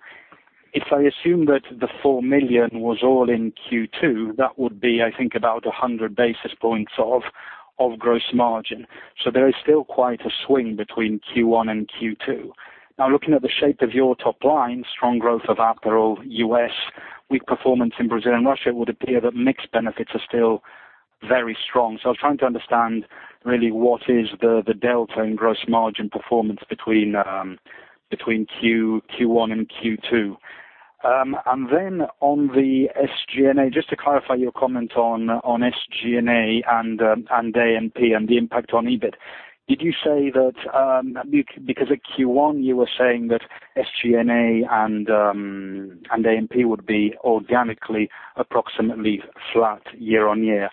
If I assume that the 4 million was all in Q2, that would be, I think, about 100 basis points of gross margin. There is still quite a swing between Q1 and Q2. Looking at the shape of your top line, strong growth of Aperol U.S., weak performance in Brazil and Russia, it would appear that mix benefits are still very strong. I was trying to understand really what is the delta in gross margin performance between Q1 and Q2. On the SG&A, just to clarify your comment on SG&A and A&P and the impact on EBIT. Did you say that, because at Q1 you were saying that SG&A and A&P would be organically approximately flat year on year.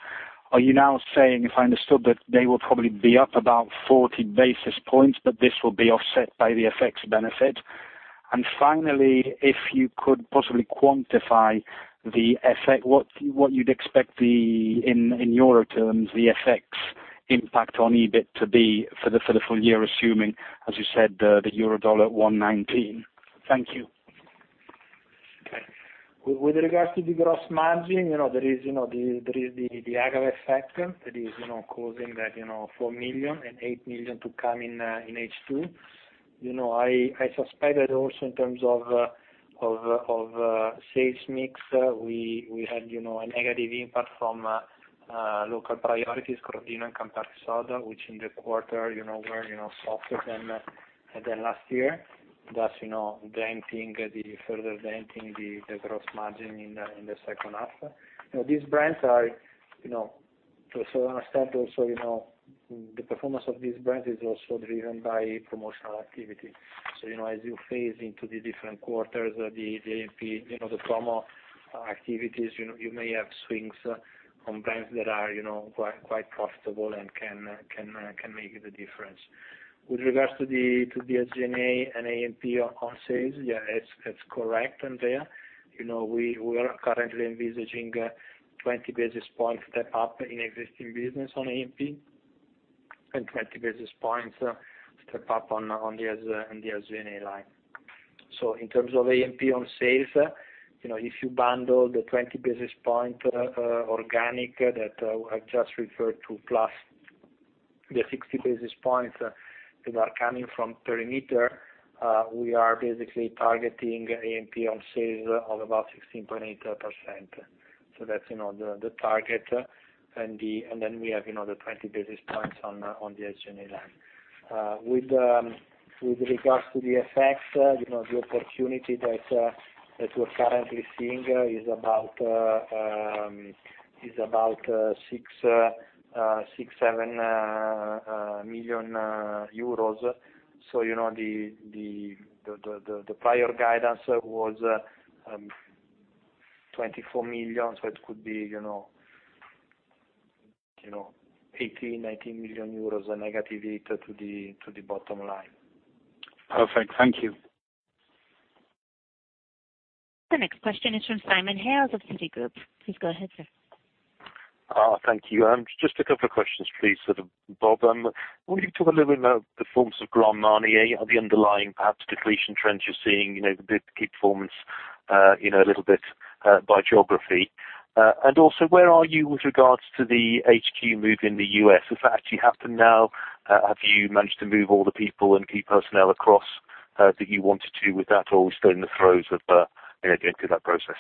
Are you now saying, if I understood, that they will probably be up about 40 basis points, but this will be offset by the FX benefit? Finally, if you could possibly quantify what you'd expect, in EUR terms, the FX impact on EBIT to be for the full year, assuming, as you said, the EUR/USD at 1.19. Thank you.
Okay. With regards to the gross margin, there is the agave effect that is causing that 4 million and 8 million to come in H2. I suspect that also in terms of sales mix, we had a negative impact from local priorities, Crodino and Campari Soda, which in the quarter were softer than last year. Thus, further denting the gross margin in the second half. The performance of these brands is also driven by promotional activity. As you phase into the different quarters, the promo activities, you may have swings on brands that are quite profitable and can make the difference. With regards to the SG&A and A&P on sales, yeah, that's correct, Andrea. We are currently envisaging a 20 basis point step up in existing business on A&P, and 20 basis points step up on the SG&A line. In terms of A&P on sales, if you bundle the 20 basis point organic that I've just referred to, plus the 60 basis points that are coming from perimeter, we are basically targeting A&P on sales of about 16.8%. That's the target, and then we have the 20 basis points on the SG&A line. With regards to the FX, the opportunity that we're currently seeing is about 6 million euros, EUR 7 million. The prior guidance was 24 million, so it could be 18 million, 19 million euros, a negative hit to the bottom line.
Perfect. Thank you.
The next question is from Simon Hales of Citigroup. Please go ahead, sir.
Thank you. Just a couple of questions, please, for Bob. I wonder if you could talk a little bit about the performance of Grand Marnier, the underlying perhaps depletion trends you're seeing, the performance a little bit by geography. Also, where are you with regards to the HQ move in the U.S.? Has that actually happened now? Have you managed to move all the people and key personnel across that you wanted to with that, or are we still in the throes of getting through that process?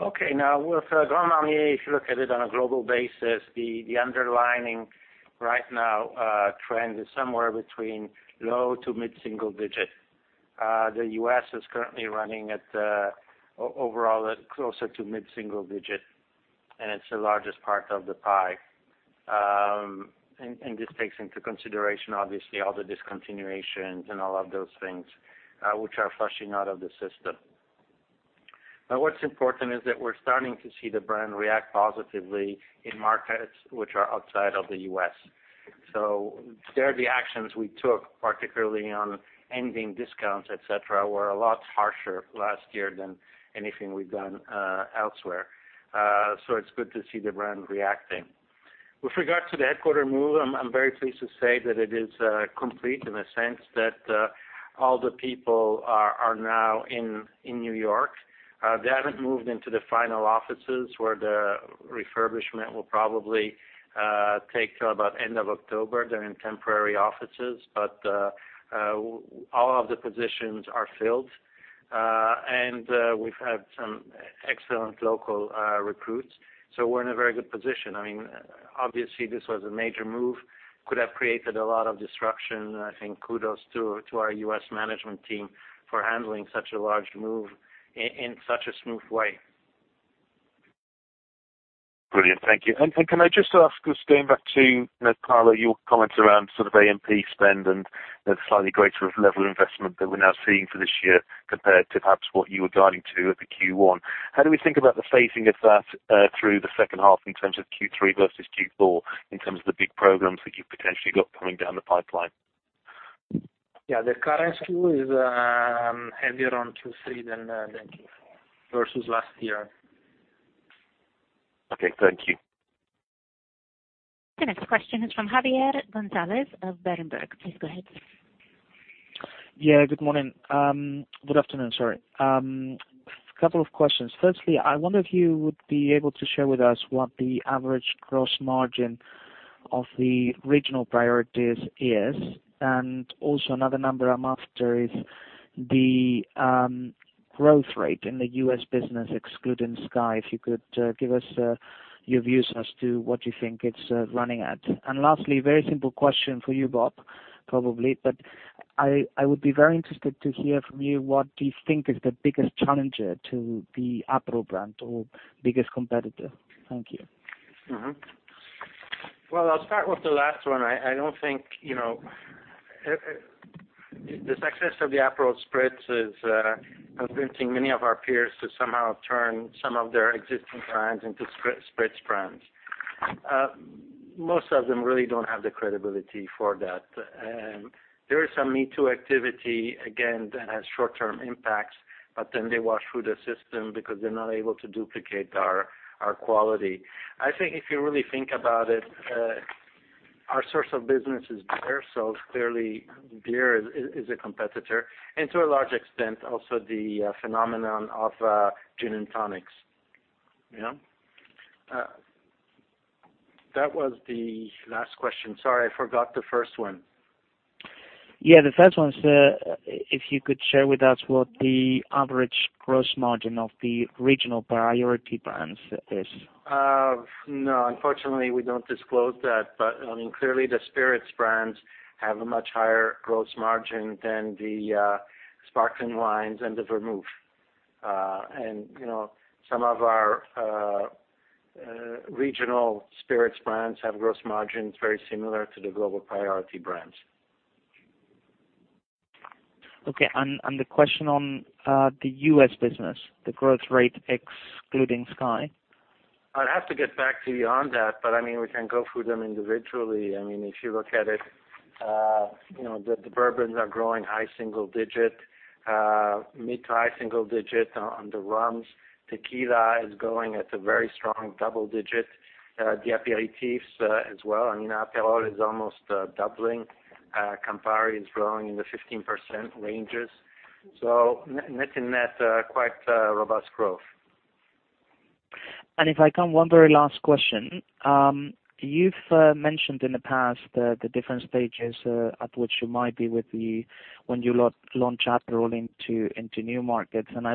Okay. With Grand Marnier, if you look at it on a global basis, the underlying right now trend is somewhere between low to mid-single digit. The U.S. is currently running at overall closer to mid-single digit, it's the largest part of the pie. This takes into consideration, obviously, all the discontinuations and all of those things, which are flushing out of the system. What's important is that we're starting to see the brand react positively in markets which are outside of the U.S. There, the actions we took, particularly on ending discounts, et cetera, were a lot harsher last year than anything we've done elsewhere. So it's good to see the brand reacting. With regard to the headquarter move, I'm very pleased to say that it is complete in a sense that all the people are now in New York. They haven't moved into the final offices, where the refurbishment will probably take till about end of October. They're in temporary offices. All of the positions are filled. We've had some excellent local recruits, so we're in a very good position. Obviously, this was a major move, could have created a lot of disruption. I think kudos to our U.S. management team for handling such a large move in such a smooth way.
Thank you. Can I just ask, just going back to, Paolo, your comments around sort of A&P spend and the slightly greater level of investment that we are now seeing for this year compared to perhaps what you were guiding to at the Q1. How do we think about the phasing of that through the second half in terms of Q3 versus Q4, in terms of the big programs that you have potentially got coming down the pipeline?
The current schedule is heavier on Q3 than Q4 versus last year.
Okay. Thank you.
The next question is from Javier Gonzalez of Berenberg. Please go ahead, sir.
Yeah. Good morning. Good afternoon, sorry. A couple of questions. Firstly, I wonder if you would be able to share with us what the average gross margin of the regional priorities is, also another number I'm after is the growth rate in the U.S. business, excluding SKYY. If you could give us your views as to what you think it's running at. Lastly, very simple question for you, Bob, probably, but I would be very interested to hear from you what you think is the biggest challenger to the Aperol brand or biggest competitor. Thank you.
Mm-hmm. Well, I'll start with the last one. I don't think the success of the Aperol Spritz is convincing many of our peers to somehow turn some of their existing brands into spritz brands. Most of them really don't have the credibility for that. There is some me-too activity, again, that has short-term impacts, but then they wash through the system because they're not able to duplicate our quality. I think if you really think about it, our source of business is beer, so clearly beer is a competitor. To a large extent, also the phenomenon of gin and tonics. That was the last question. Sorry, I forgot the first one.
Yeah, the first one is, if you could share with us what the average gross margin of the regional priority brands is.
No, unfortunately, we don't disclose that. Clearly the spirits brands have a much higher gross margin than the sparkling wines and the vermouth. Some of our regional spirits brands have gross margins very similar to the global priority brands.
Okay, the question on the U.S. business, the growth rate excluding SKYY?
I'd have to get back to you on that, we can go through them individually. If you look at it, the bourbons are growing high single digit, mid to high single digit on the rums. Tequila is growing at a very strong double digit. The aperitifs as well. Aperol is almost doubling. Campari is growing in the 15% ranges. Net in net, quite a robust growth.
If I come one very last question. You've mentioned in the past the different stages at which you might be when you launch Aperol into new markets, I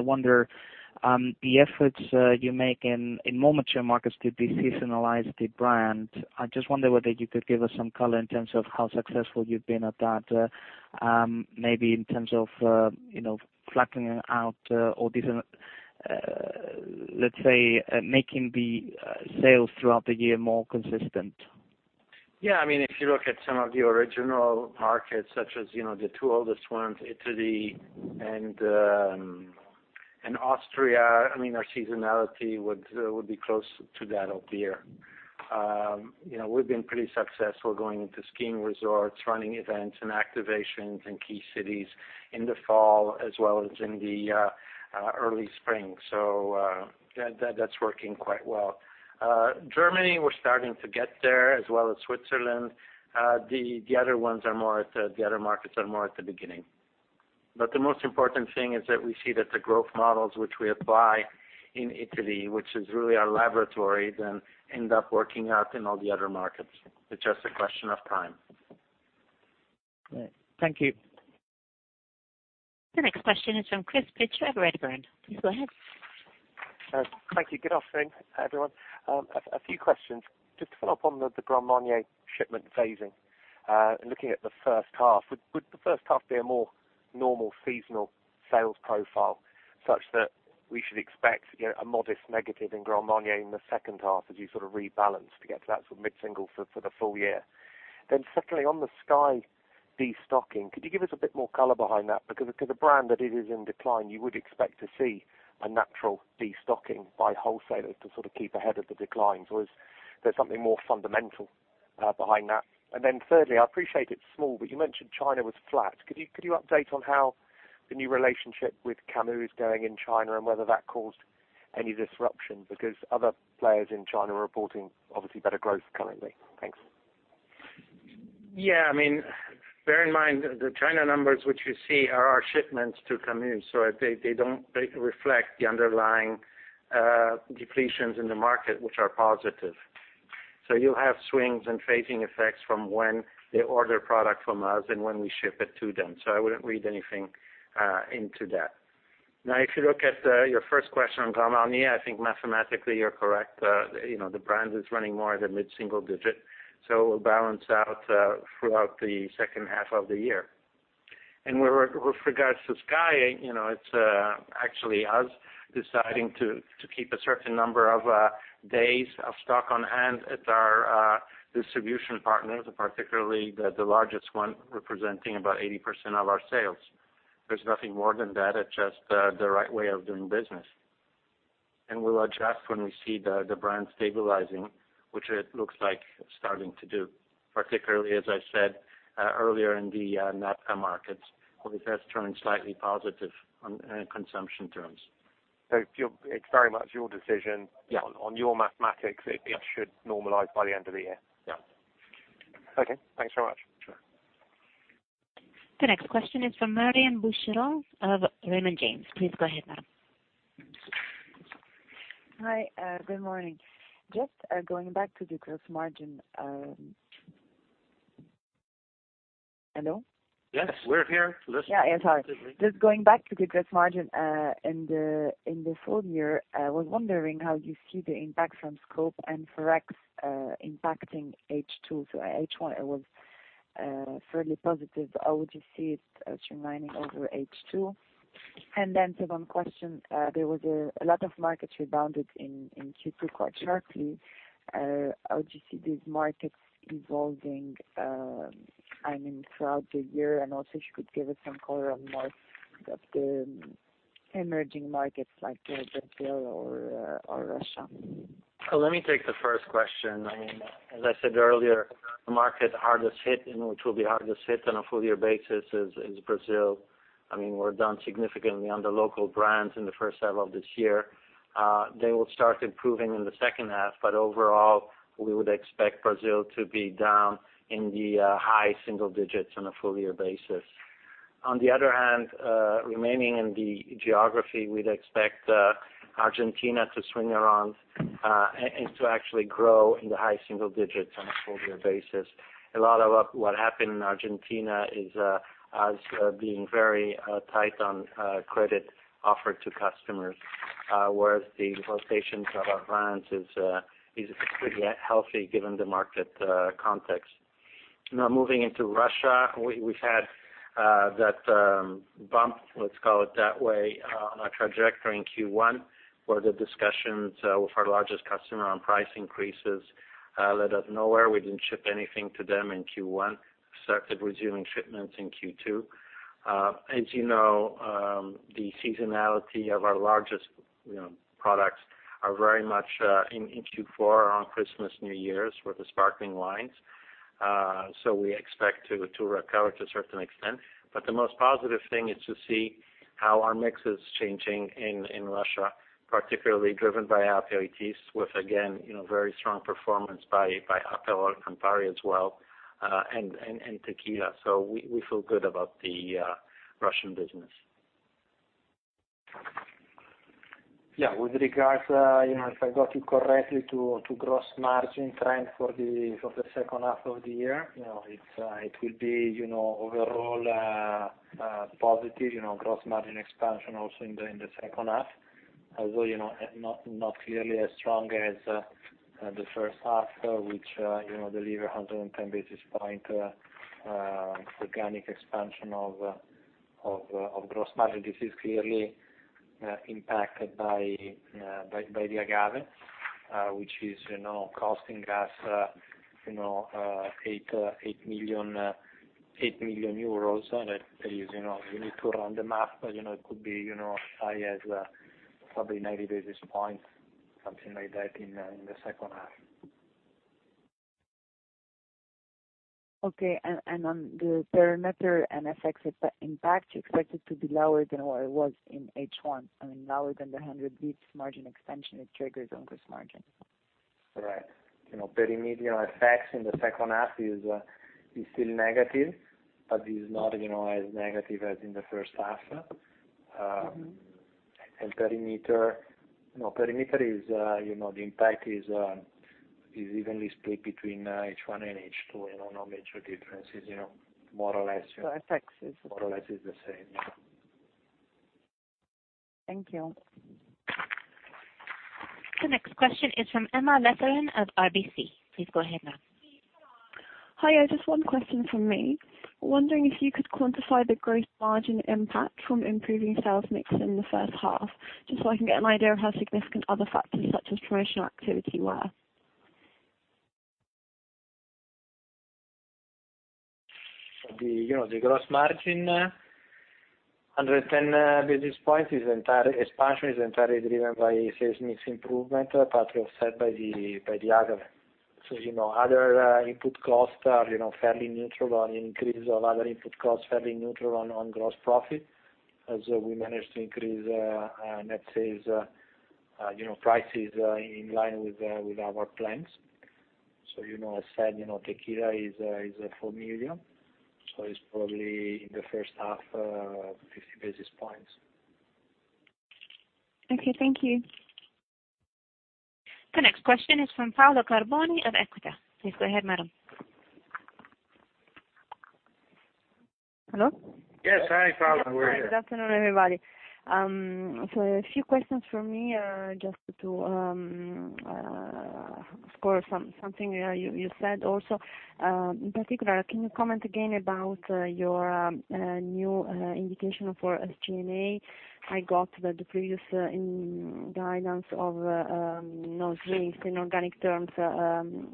wonder, the efforts you make in more mature markets to de-seasonalize the brand, I just wonder whether you could give us some color in terms of how successful you've been at that, maybe in terms of flattening out or, let's say, making the sales throughout the year more consistent.
Yeah, if you look at some of the original markets such as the two oldest ones, Italy and Austria, our seasonality would be close to that of beer. We've been pretty successful going into skiing resorts, running events, and activations in key cities in the fall as well as in the early spring. That's working quite well. Germany, we're starting to get there, as well as Switzerland. The other markets are more at the beginning. The most important thing is that we see that the growth models which we apply in Italy, which is really our laboratory, then end up working out in all the other markets. It's just a question of time.
Great. Thank you.
The next question is from Chris Pitcher of Redburn. Please go ahead.
Thank you. Good afternoon, everyone. A few questions. Just to follow up on the Grand Marnier shipment phasing. Looking at the first half, would the first half be a more normal seasonal sales profile, such that we should expect a modest negative in Grand Marnier in the second half as you sort of rebalance to get to that mid-single for the full year? Secondly, on the SKYY destocking, could you give us a bit more color behind that? A brand that is in decline, you would expect to see a natural destocking by wholesalers to sort of keep ahead of the declines, or is there something more fundamental behind that? Thirdly, I appreciate it's small, but you mentioned China was flat. Could you update on how the new relationship with Camus is going in China and whether that caused any disruption? Other players in China are reporting, obviously, better growth currently. Thanks.
Yeah. Bear in mind, the China numbers which you see are our shipments to Camus, they don't reflect the underlying depletions in the market, which are positive. You'll have swings and phasing effects from when they order product from us and when we ship it to them. I wouldn't read anything into that. Now, if you look at your first question on Grand Marnier, I think mathematically you're correct. The brand is running more at a mid-single digit, so it will balance out throughout the second half of the year. With regards to SKYY, it's actually us deciding to keep a certain number of days of stock on hand at our distribution partners, particularly the largest one representing about 80% of our sales. There's nothing more than that. It's just the right way of doing business. We'll adjust when we see the brand stabilizing, which it looks like it's starting to do, particularly, as I said earlier, in the NAFTA markets, where it has turned slightly positive on consumption terms.
It's very much your decision.
Yeah
On your mathematics, it should normalize by the end of the year.
Yeah.
Okay. Thanks very much.
Sure.
The next question is from Marion Boucheron of Raymond James. Please go ahead, madam.
Hi, good morning. Just going back to the gross margin. Hello?
Yes, we're here listening.
Yeah, sorry. Just going back to the gross margin, in the full year, I was wondering how you see the impact from scope and ForEx impacting H2. H1 was fairly positive. How would you see it trend lining over H2? Second question, there was a lot of markets rebounded in Q2 quite sharply. How do you see these markets evolving throughout the year, and also if you could give us some color on more of the emerging markets like Brazil or Russia.
Let me take the first question. As I said earlier, the market which will be hardest hit on a full year basis is Brazil. We're down significantly on the local brands in the first half of this year. They will start improving in the second half, but overall, we would expect Brazil to be down in the high single digits on a full year basis. On the other hand, remaining in the geography, we'd expect Argentina to swing around, and to actually grow in the high single digits on a full year basis. A lot of what happened in Argentina is us being very tight on credit offered to customers, whereas the rotations of our brands is pretty healthy given the market context. Moving into Russia, we've had that bump, let's call it that way, on our trajectory in Q1 where the discussions with our largest customer on price increases led us nowhere. We didn't ship anything to them in Q1. We started resuming shipments in Q2. As you know, the seasonality of our largest products are very much in Q4 around Christmas, New Year's with the sparkling wines. We expect to recover to a certain extent. The most positive thing is to see how our mix is changing in Russia, particularly driven by aperitifs with, again, very strong performance by Aperol Campari as well, and tequila. We feel good about the Russian business.
Yeah. With regards, if I got you correctly, to gross margin trend for the second half of the year, it will be overall a positive gross margin expansion also in the second half, although not clearly as strong as the first half, which delivered 110 basis point organic expansion of gross margin. This is clearly impacted by the agave, which is costing us EUR 8 million. You need to run the math, but it could be as high as probably 90 basis points, something like that in the second half.
Okay, on the perimeter and FX impact, you expect it to be lower than what it was in H1, lower than the 100 basis points margin expansion it triggers on gross margin.
Right. FX in the second half is still negative, but is not as negative as in the first half. Perimeter, the impact is evenly split between H1 and H2. No major differences. More or less.
FX is.
More or less is the same, yeah.
Thank you.
The next question is from Emma Letheren of RBC. Please go ahead, ma'am.
Hi. Just one question from me. Wondering if you could quantify the gross margin impact from improving sales mix in the first half, just so I can get an idea of how significant other factors such as promotional activity were.
The gross margin, 110 basis points expansion is entirely driven by sales mix improvement, partly offset by the other. Other input costs are fairly neutral on increase of other input costs, fairly neutral on gross profit, as we managed to increase net sales prices in line with our plans. As said, Tequila is EUR 4 million, it is probably in the first half, 50 basis points.
Okay, thank you.
The next question is from Paola Carboni of Equita. Please go ahead, madam.
Hello?
Yes. Hi, Paola. We're here.
Good afternoon, everybody. A few questions from me, just to score something you said also. In particular, can you comment again about your new indication for SG&A? I got that the previous guidance of 3% in organic terms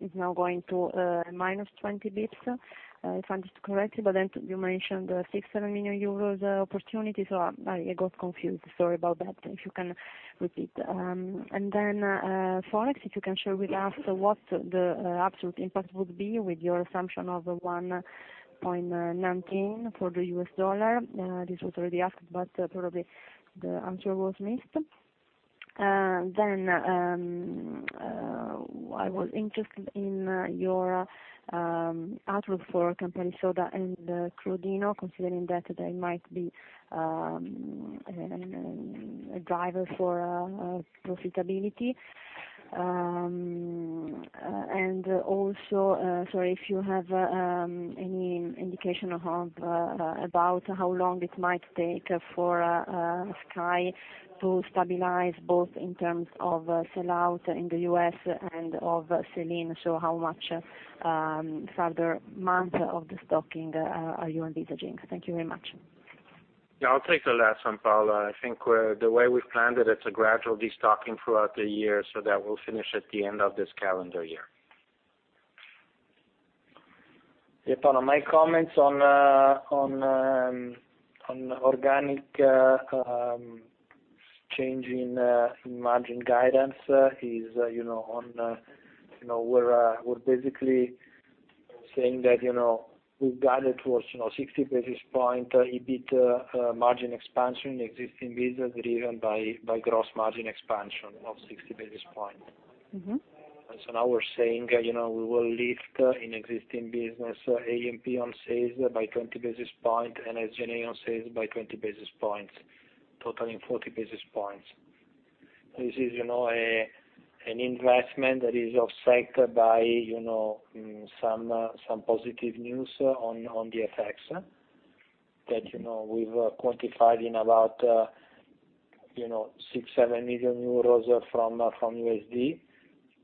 is now going to -20 basis points, if I understood correctly. You mentioned the 6 million-7 million euros opportunity. I got confused. Sorry about that, if you can repeat. Forex, if you can share with us what the absolute impact would be with your assumption of 1.19 for the U.S. dollar. This was already asked, but probably the answer was missed. I was interested in your outlook for Campari Soda and Crodino, considering that they might be a driver for profitability. sorry, if you have any indication about how long it might take for SKYY to stabilize, both in terms of sell-out in the U.S. and of sell-in. How much further months of de-stocking are you envisaging? Thank you very much.
I'll take the last one, Paola. I think the way we've planned it's a gradual de-stocking throughout the year, that will finish at the end of this calendar year.
Paola, my comments on organic change in margin guidance is, we're basically saying that we've guided towards 60 basis points EBIT margin expansion in existing business, driven by gross margin expansion of 60 basis points. Now we're saying, we will lift in existing business A&P on sales by 20 basis points and SG&A on sales by 20 basis points, totaling 40 basis points. This is an investment that is offset by some positive news on the FX, that we've quantified in about 6 million euros, 7 million euros from USD,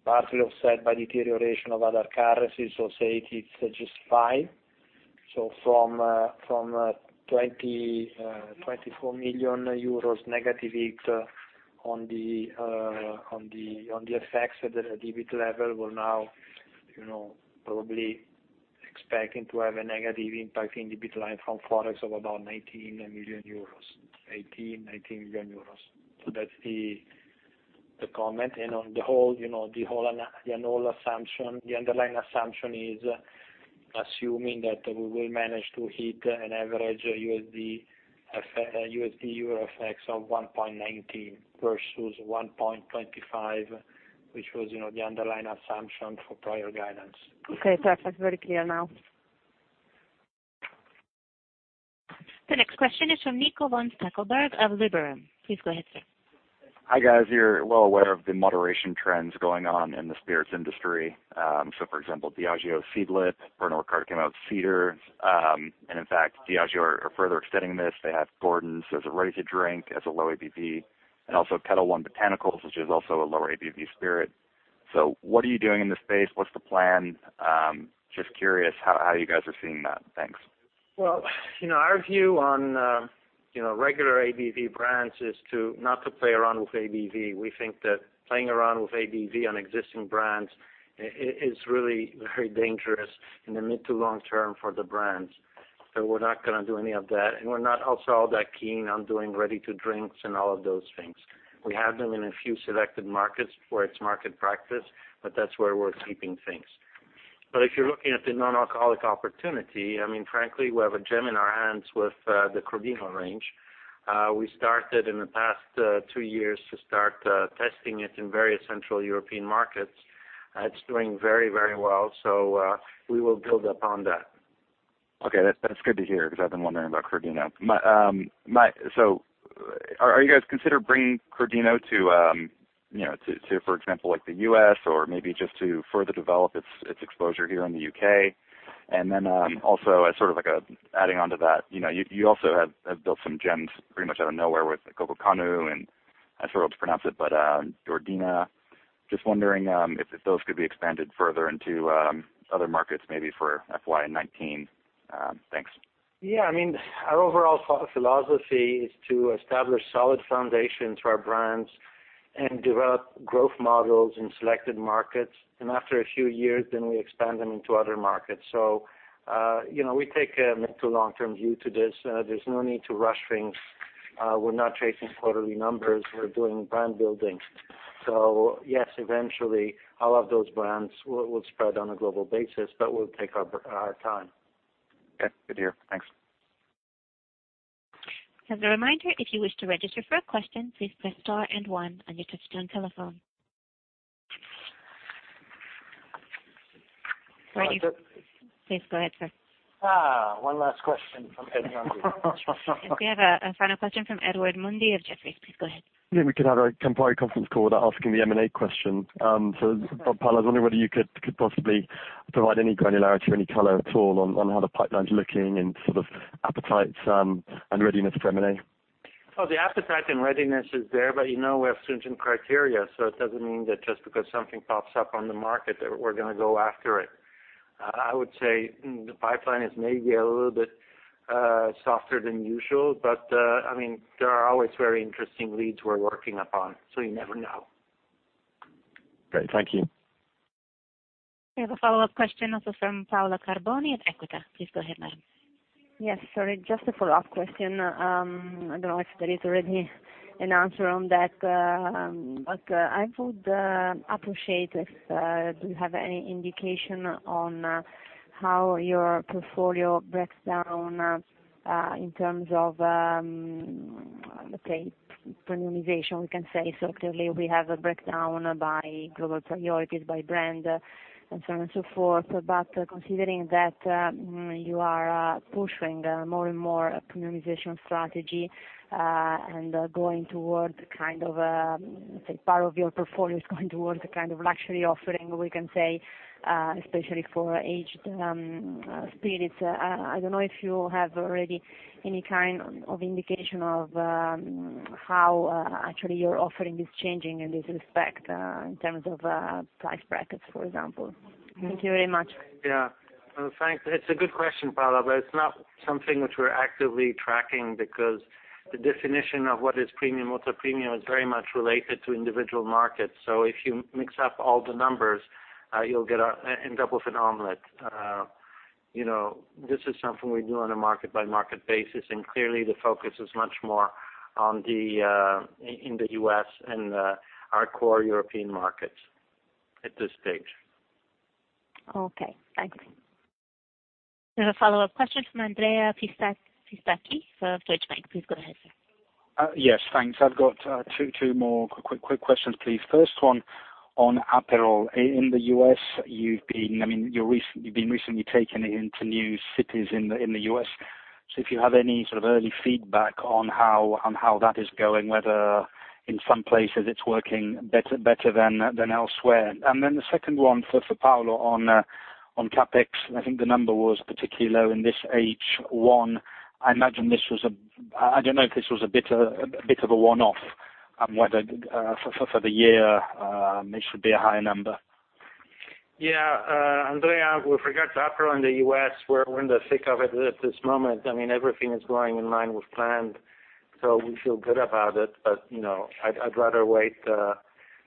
partly offset by deterioration of other currencies. Say it is just 5. From 24 million euros negative hit on the ForEx at the EBIT level, we're now probably expecting to have a negative impact in EBIT line from ForEx of about EUR 18 million, 19 million euros. That's the comment. On the underlying assumption is assuming that we will manage to hit an average USD/EUR FX of 1.19 versus 1.25, which was the underlying assumption for prior guidance.
Okay, perfect. Very clear now.
The next question is from Nico von Stackelberg of Liberum. Please go ahead, sir.
Hi, guys. You're well aware of the moderation trends going on in the spirits industry. For example, Diageo Seedlip, Pernod Ricard came out with Ceder's. In fact, Diageo are further extending this. They have Gordon's as a ready-to-drink, as a low ABV, and also Ketel One Botanical, which is also a lower ABV spirit. What are you doing in the space? What's the plan? Just curious how you guys are seeing that. Thanks.
Our view on regular ABV brands is to not to play around with ABV. We think that playing around with ABV on existing brands is really very dangerous in the mid to long term for the brands. We're not going to do any of that. We're not also all that keen on doing ready-to-drinks and all of those things. We have them in a few selected markets where it's market practice, but that's where we're keeping things. If you're looking at the non-alcoholic opportunity, frankly, we have a gem in our hands with the Crodino range. We started in the past two years to start testing it in various central European markets. It's doing very well. We will build upon that.
Okay. That's good to hear because I've been wondering about Crodino. Are you guys considering bringing Crodino to, for example, the U.S. or maybe just to further develop its exposure here in the U.K.? Also as sort of adding onto that, you also have built some gems pretty much out of nowhere with Koko Kanu and, I struggle to pronounce it, but O'ndina. Just wondering if those could be expanded further into other markets, maybe for FY 2019. Thanks.
Yeah. Our overall philosophy is to establish solid foundations for our brands and develop growth models in selected markets. After a few years, then we expand them into other markets. We take a mid to long-term view to this. There's no need to rush things. We're not chasing quarterly numbers. We're doing brand building. Yes, eventually all of those brands will spread on a global basis, but we'll take our time.
Okay. Good to hear. Thanks.
As a reminder, if you wish to register for a question, please press star and one on your touchtone telephone. Please go ahead, sir.
One last question from Edward Mundy.
We have a final question from Edward Mundy of Jefferies. Please go ahead.
Yeah, we could have a Campari conference call without asking the M&A question. Bob, Paolo, I was wondering whether you could possibly provide any granularity or any color at all on how the pipeline's looking and sort of appetites and readiness for M&A.
The appetite and readiness is there, but you know we have stringent criteria. It doesn't mean that just because something pops up on the market that we're going to go after it. I would say the pipeline is maybe a little bit softer than usual, but there are always very interesting leads we're working upon. You never know.
Great. Thank you.
We have a follow-up question also from Paola Carboni at Equita. Please go ahead, madam.
Yes, sorry, just a follow-up question. I don't know if there is already an answer on that. I would appreciate if do you have any indication on how your portfolio breaks down in terms of Let's say premiumization, we can say. Clearly we have a breakdown by global priorities, by brand, and so on and so forth. Considering that you are pushing more and more premiumization strategy, and going toward, let's say part of your portfolio is going towards a kind of luxury offering, we can say, especially for aged spirits. I don't know if you have already any kind of indication of how actually your offering is changing in this respect, in terms of price brackets, for example. Thank you very much.
Well, thanks. It's a good question, Paola, but it's not something which we're actively tracking because the definition of what is premium, ultra premium is very much related to individual markets. If you mix up all the numbers, you'll end up with an omelet. This is something we do on a market by market basis, and clearly the focus is much more in the U.S. and our core European markets at this stage.
Okay, thanks.
We have a follow-up question from Andrea Pistacchi of Deutsche Bank. Please go ahead, sir.
Yes, thanks. I've got two more quick questions, please. First one on Aperol. In the U.S., you've been recently taking it into new cities in the U.S. If you have any sort of early feedback on how that is going, whether in some places it's working better than elsewhere. The second one for Paolo on CapEx. I think the number was particularly low in this H1. I don't know if this was a bit of a one-off, and whether for the year, it should be a higher number.
Yeah. Andrea, with regards to Aperol in the U.S., we're in the thick of it at this moment. Everything is going in line with planned, so we feel good about it. I'd rather wait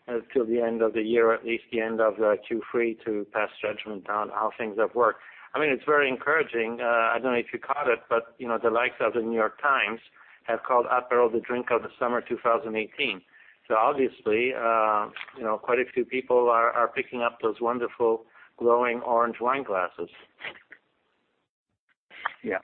until the end of the year, at least the end of Q3 to pass judgment on how things have worked. It's very encouraging. I don't know if you caught it, but the likes of The New York Times have called Aperol the drink of the summer 2018. Obviously, quite a few people are picking up those wonderful glowing orange wine glasses. Yeah.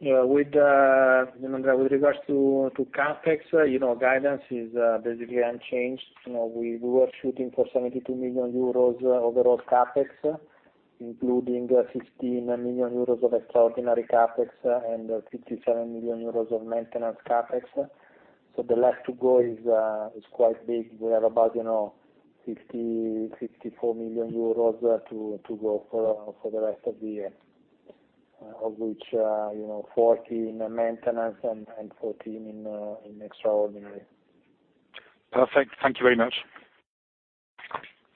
Yeah. With regards to CapEx, guidance is basically unchanged. We were shooting for 72 million euros overall CapEx, including 16 million euros of extraordinary CapEx and 57 million euros of maintenance CapEx. The left to go is quite big. We have about 54 million euros to go for the rest of the year, of which 14 in maintenance and 9 in extraordinary.
Perfect. Thank you very much.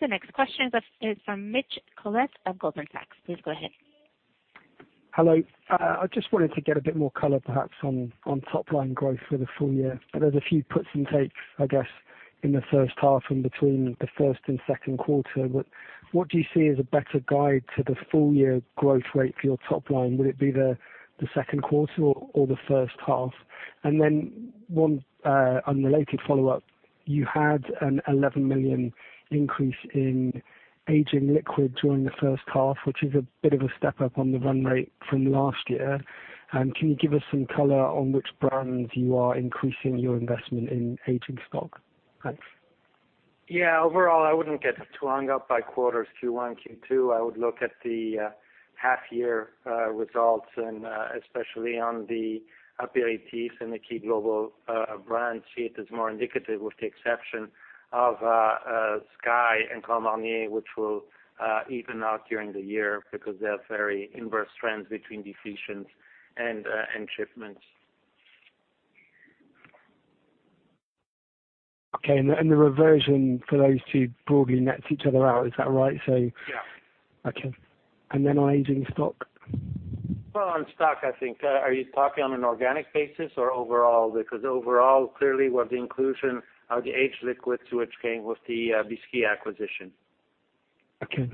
The next question is from Mitch Collett of Goldman Sachs. Please go ahead.
Hello. I just wanted to get a bit more color, perhaps on top line growth for the full year. There's a few puts and takes, I guess, in the first half and between the first and second quarter. What do you see as a better guide to the full year growth rate for your top line? Would it be the second quarter or the first half? One unrelated follow-up. You had an 11 million increase in aging liquid during the first half, which is a bit of a step up on the run rate from last year. Can you give us some color on which brands you are increasing your investment in aging stock? Thanks.
Yeah, overall, I wouldn't get too hung up by quarters Q1, Q2. I would look at the half year results and especially on the APATs and the key global brands see it as more indicative with the exception of SKYY and Grand Marnier, which will even out during the year because they're very inverse trends between depletions and shipments.
Okay, and the reversion for those two broadly nets each other out. Is that right?
Yeah.
Okay. On aging stock?
Well, on stock, I think, are you talking on an organic basis or overall? Overall, clearly with the inclusion of the aged liquids which came with the Bisquit acquisition.
Okay.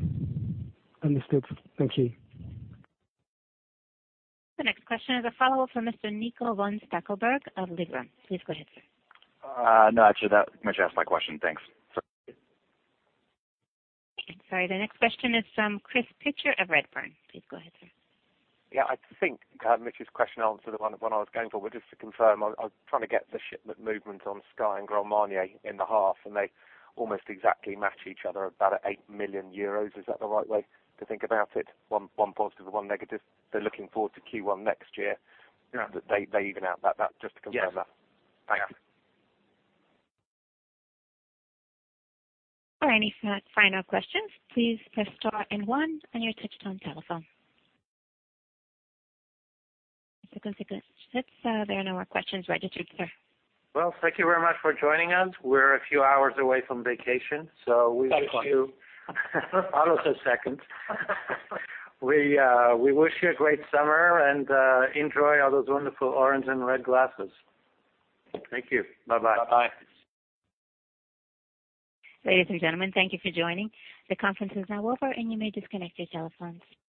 Understood. Thank you.
The next question is a follow-up from Mr. Nico von Stackelberg of Liberum. Please go ahead, sir.
No, actually, Mitch asked my question. Thanks.
Okay, sorry. The next question is from Chris Pitcher of Redburn. Please go ahead, sir.
Yeah, I think Mitch's question answered the one I was going for. Just to confirm, I was trying to get the shipment movement on SKYY and Grand Marnier in the half, and they almost exactly match each other about 8 million euros. Is that the right way to think about it? One positive and one negative. They're looking forward to Q1 next year. Yeah. They even out that. Just to confirm that.
Yes.
Thanks.
All right, any final questions, please press star and one on your touch-tone telephone. It looks like that's it. There are no more questions registered, sir.
Well, thank you very much for joining us. We're a few hours away from vacation, so we wish you. Thanks, Bob. Paolo says second. We wish you a great summer, and enjoy all those wonderful orange and red glasses. Thank you. Bye-bye.
Bye-bye.
Ladies and gentlemen, thank you for joining. The conference is now over, and you may disconnect your telephones.